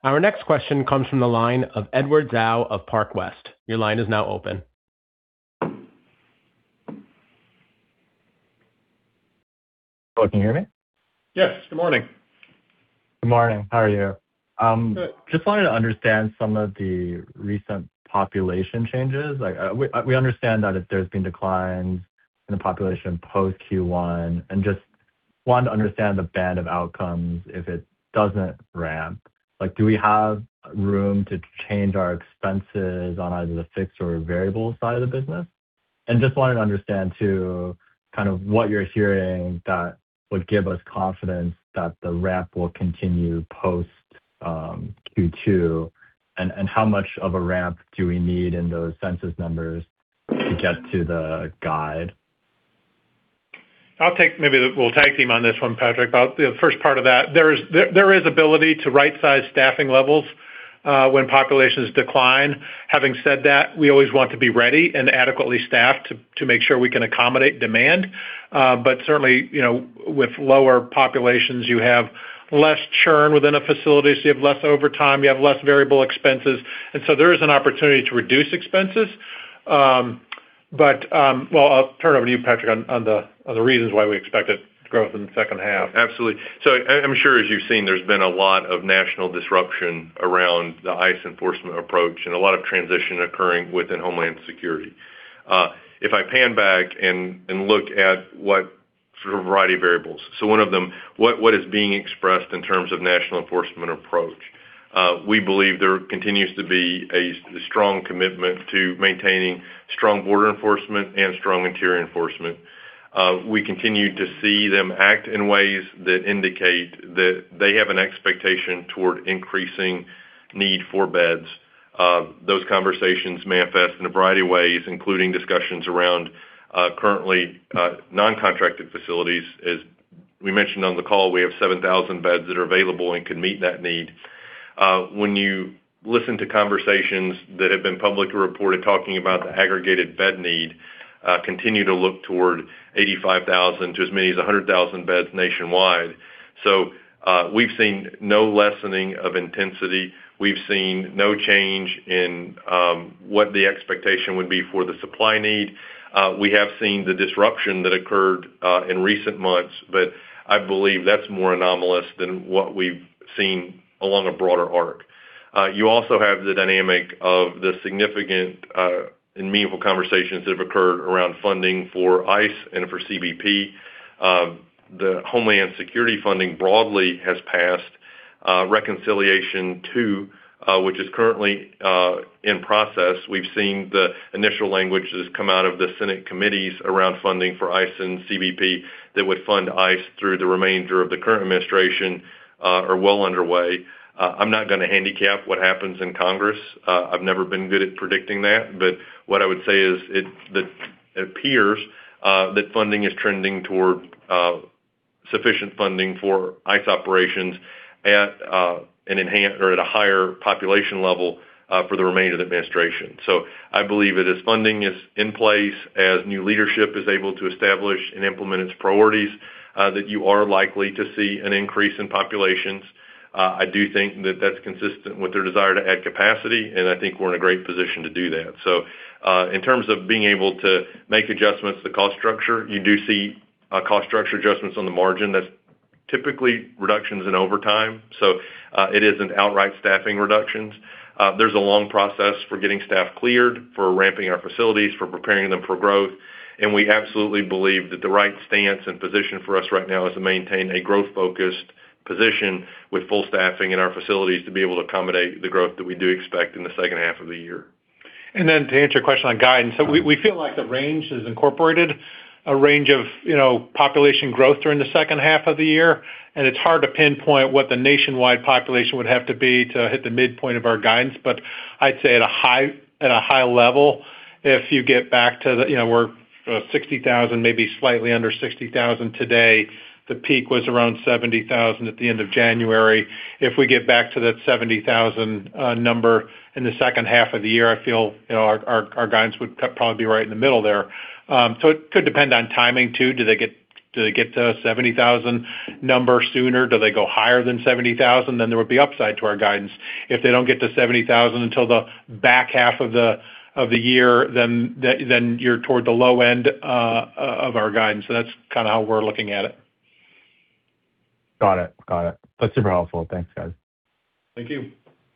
Our next question comes from the line of Edward Zhao of Park West. Your line is now open. Hello, can you hear me? Yes. Good morning. Good morning. How are you? Good. Just wanted to understand some of the recent population changes. Like, we understand that there's been declines in the population post Q1, and just want to understand the band of outcomes if it doesn't ramp. Like, do we have room to change our expenses on either the fixed or variable side of the business? Just wanted to understand, too, kind of what you're hearing that would give us confidence that the ramp will continue post Q2, and how much of a ramp do we need in those census numbers to get to the guide? I'll take maybe, we'll tag team on this one, Patrick. The first part of that, there is ability to right-size staffing levels, when populations decline. Having said that, we always want to be ready and adequately staffed to make sure we can accommodate demand. Certainly, you know, with lower populations, you have less churn within a facility, so you have less overtime, you have less variable expenses. There is an opportunity to reduce expenses. Well, I'll turn it over to you, Patrick, on the reasons why we expected growth in the second half. Absolutely. I'm sure as you've seen, there's been a lot of national disruption around the ICE enforcement approach and a lot of transition occurring within Homeland Security. If I pan back and look at what, sort of, variety of variables. One of them, what is being expressed in terms of national enforcement approach? We believe there continues to be a strong commitment to maintaining strong border enforcement and strong interior enforcement. We continue to see them act in ways that indicate that they have an expectation toward increasing need for beds. Those conversations manifest in a variety of ways, including discussions around currently non-contracted facilities. As we mentioned on the call, we have 7,000 beds that are available and can meet that need. When you listen to conversations that have been publicly reported talking about the aggregated bed need, continue to look toward 85,000 to as many as 100,000 beds nationwide. We've seen no lessening of intensity. We've seen no change in what the expectation would be for the supply need. We have seen the disruption that occurred in recent months, but I believe that's more anomalous than what we've seen along a broader arc. You also have the dynamic of the significant and meaningful conversations that have occurred around funding for ICE and for CBP. The Homeland Security funding broadly has passed Reconciliation 2.0, which is currently in process. We've seen the initial languages come out of the Senate committees around funding for ICE and CBP that would fund ICE through the remainder of the current administration are well underway. I'm not gonna handicap what happens in Congress. I've never been good at predicting that. What I would say is that it appears that funding is trending toward sufficient funding for ICE operations at a higher population level for the remainder of the administration. I believe that as funding is in place, as new leadership is able to establish and implement its priorities, that you are likely to see an increase in populations. I do think that that's consistent with their desire to add capacity, and I think we're in a great position to do that. In terms of being able to make adjustments to cost structure, you do see cost structure adjustments on the margin that's typically reductions in overtime. It isn't outright staffing reductions. There's a long process for getting staff cleared, for ramping our facilities, for preparing them for growth. We absolutely believe that the right stance and position for us right now is to maintain a growth-focused position with full staffing in our facilities to be able to accommodate the growth that we do expect in the second half of the year. To answer your question on guidance, we feel like the range has incorporated a range of, you know, population growth during the second half of the year, and it's hard to pinpoint what the nationwide population would have to be to hit the midpoint of our guidance. I'd say at a high, at a high level, if you get back to the, you know, we're 60,000, maybe slightly under 60,000 today. The peak was around 70,000 at the end of January. If we get back to that 70,000 number in the second half of the year, I feel, you know, our guidance would probably be right in the middle there. It could depend on timing too. Do they get to 70,000 number sooner? Do they go higher than 70,000? There would be upside to our guidance. If they don't get to 70,000 until the back half of the year, then you're toward the low end of our guidance. That's kinda how we're looking at it. Got it. Got it. That's super helpful. Thanks, guys. Thank you.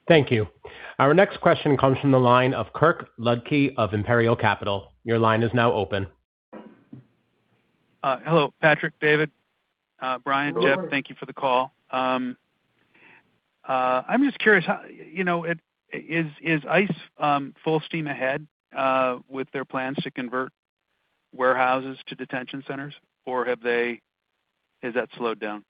Thank you. Our next question comes from the line of Kirk Ludtke of Imperial Capital. Hello, Patrick, David, Brian. Hello. Jeb, thank you for the call. I'm just curious, how, you know, is ICE full steam ahead with their plans to convert warehouses to detention centers? Or has that slowed down?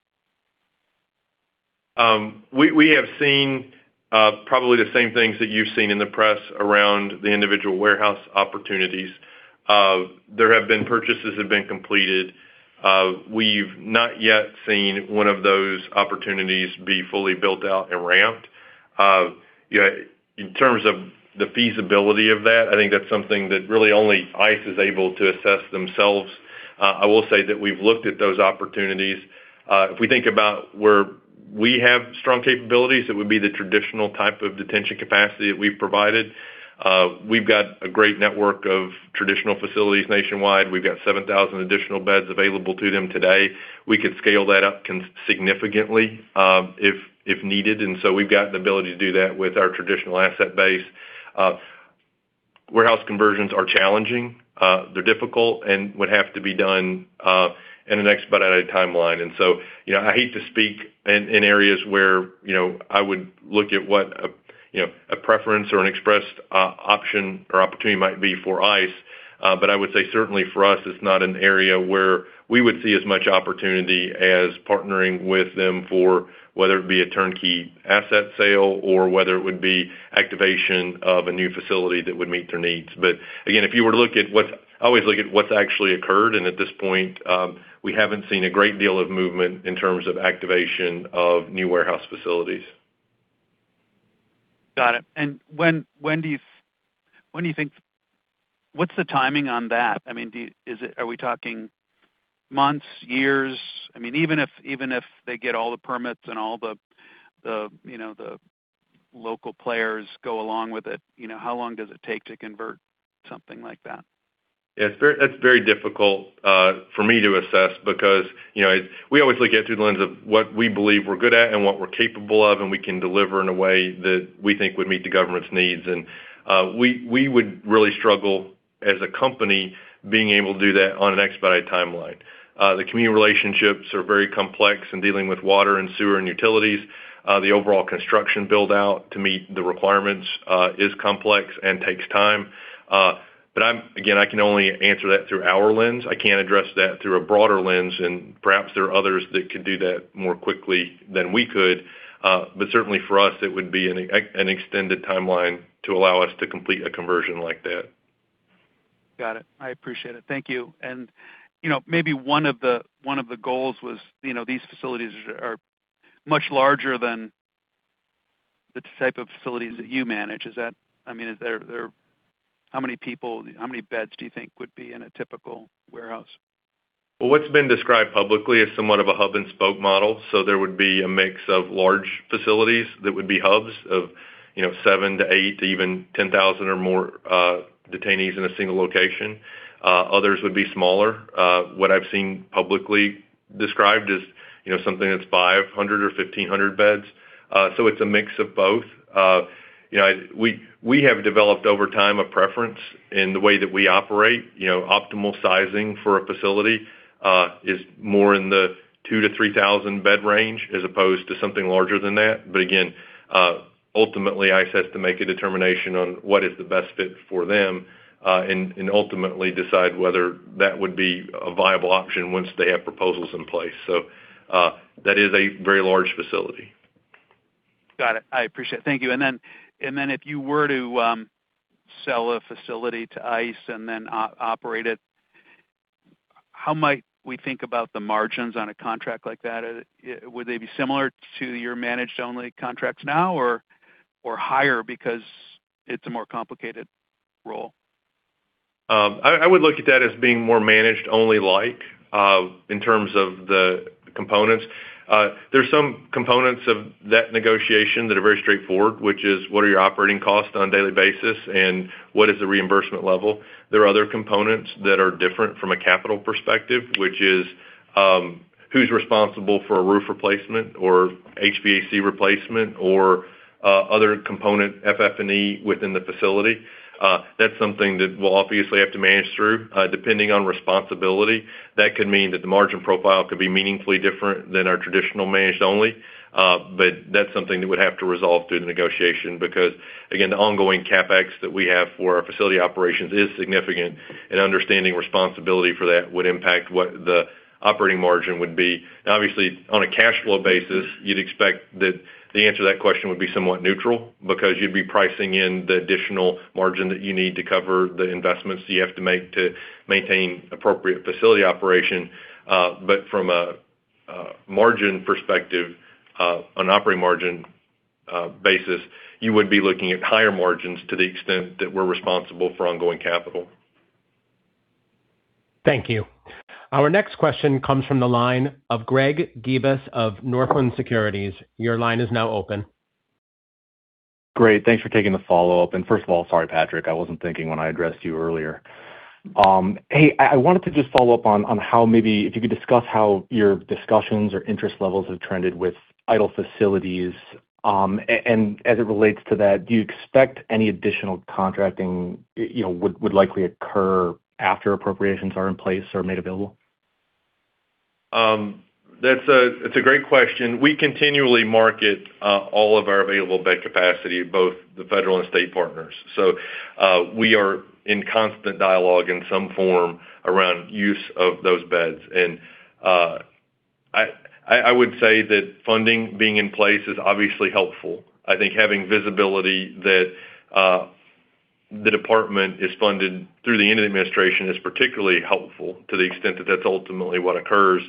We have seen probably the same things that you've seen in the press around the individual warehouse opportunities. There have been purchases that have been completed. We've not yet seen one of those opportunities be fully built out and ramped. You know, in terms of the feasibility of that, I think that's something that really only ICE is able to assess themselves. I will say that we've looked at those opportunities. If we think about where we have strong capabilities, it would be the traditional type of detention capacity that we've provided. We've got a great network of traditional facilities nationwide. We've got 7,000 additional beds available to them today. We could scale that up significantly, if needed. We've got the ability to do that with our traditional asset base. Warehouse conversions are challenging, they're difficult and would have to be done in an expedited timeline. You know, I hate to speak in areas where, you know, I would look at what a, you know, a preference or an expressed option or opportunity might be for ICE, but I would say certainly for us, it's not an area where we would see as much opportunity as partnering with them for whether it be a turnkey asset sale or whether it would be activation of a new facility that would meet their needs. Again, if you were to look at always look at what's actually occurred, and at this point, we haven't seen a great deal of movement in terms of activation of new warehouse facilities. Got it. When do you think What's the timing on that? I mean, are we talking months, years? I mean, even if they get all the permits and all the, you know, the local players go along with it, you know, how long does it take to convert something like that? Yeah, that's very difficult for me to assess because, you know, we always look at it through the lens of what we believe we're good at and what we're capable of, and we can deliver in a way that we think would meet the government's needs. We would really struggle as a company being able to do that on an expedited timeline. The community relationships are very complex in dealing with water and sewer and utilities. The overall construction build-out to meet the requirements is complex and takes time. Again, I can only answer that through our lens. I can't address that through a broader lens, perhaps there are others that could do that more quickly than we could. Certainly for us, it would be an extended timeline to allow us to complete a conversion like that. Got it. I appreciate it. Thank you. You know, maybe one of the, one of the goals was, you know, these facilities are much larger than the type of facilities that you manage. How many people, how many beds do you think would be in a typical warehouse? Well, what's been described publicly as somewhat of a hub-and-spoke model, so there would be a mix of large facilities that would be hubs of, you know, 7,000-8,000 to even 10,000 or more detainees in a single location. Others would be smaller. What I've seen publicly described is, you know, something that's 500 or 1,500 beds. So it's a mix of both. You know, we have developed over time a preference in the way that we operate. You know, optimal sizing for a facility is more in the 2,000-3,000 bed range as opposed to something larger than that. Again, ultimately, ICE has to make a determination on what is the best fit for them, and ultimately decide whether that would be a viable option once they have proposals in place. That is a very large facility. Got it. I appreciate it. Thank you. Then, if you were to sell a facility to ICE and then operate it, how might we think about the margins on a contract like that? Would they be similar to your managed only contracts now or higher because it's a more complicated role? I would look at that as being more managed only like, in terms of the components. There's some components of that negotiation that are very straightforward, which is what are your operating costs on a daily basis, and what is the reimbursement level? There are other components that are different from a capital perspective, which is, who's responsible for a roof replacement or HVAC replacement or, other component, FF&E within the facility. That's something that we'll obviously have to manage through, depending on responsibility. That could mean that the margin profile could be meaningfully different than our traditional managed only. That's something that would have to resolve through the negotiation because, again, the ongoing CapEx that we have for our facility operations is significant, and understanding responsibility for that would impact what the operating margin would be. Now obviously, on a cash flow basis, you'd expect that the answer to that question would be somewhat neutral because you'd be pricing in the additional margin that you need to cover the investments you have to make to maintain appropriate facility operation. From a margin perspective, on operating margin basis, you would be looking at higher margins to the extent that we're responsible for ongoing capital. Thank you. Our next question comes from the line of Greg Gibas of Northland Securities. Your line is now open. Great. Thanks for taking the follow-up. First of all, sorry, Patrick, I wasn't thinking when I addressed you earlier. Hey, I wanted to just follow up on how maybe if you could discuss how your discussions or interest levels have trended with idle facilities. As it relates to that, do you expect any additional contracting, you know, would likely occur after appropriations are in place or made available? That's a great question. We continually market all of our available bed capacity, both the federal and state partners. We are in constant dialogue in some form around use of those beds. I would say that funding being in place is obviously helpful. I think having visibility that the department is funded through the end of the administration is particularly helpful to the extent that that's ultimately what occurs.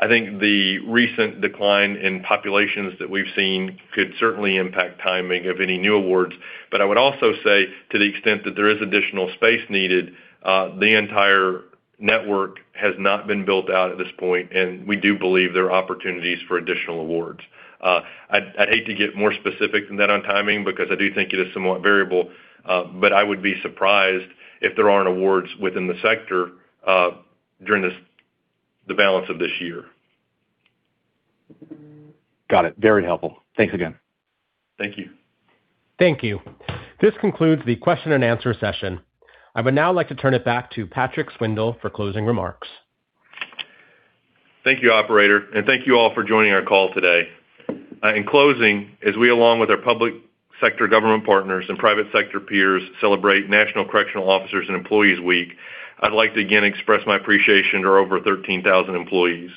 I think the recent decline in populations that we've seen could certainly impact timing of any new awards. I would also say to the extent that there is additional space needed, the entire network has not been built out at this point, and we do believe there are opportunities for additional awards. I'd hate to get more specific than that on timing because I do think it is somewhat variable, but I would be surprised if there aren't awards within the sector, during the balance of this year. Got it. Very helpful. Thanks again. Thank you. Thank you. This concludes the question-and-answer session. I would now like to turn it back to Patrick Swindle for closing remarks. Thank you, operator, and thank you all for joining our call today. In closing, as we, along with our public sector government partners and private sector peers, celebrate National Correctional Officers and Employees Week, I'd like to again express my appreciation to our over 13,000 employees.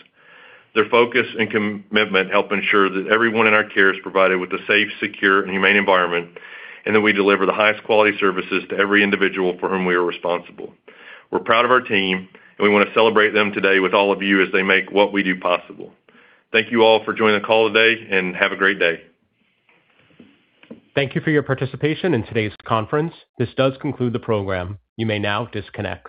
Their focus and commitment help ensure that everyone in our care is provided with a safe, secure, and humane environment, and that we deliver the highest quality services to every individual for whom we are responsible. We're proud of our team, and we wanna celebrate them today with all of you as they make what we do possible. Thank you all for joining the call today, and have a great day. Thank you for your participation in today's conference. This does conclude the program. You may now disconnect.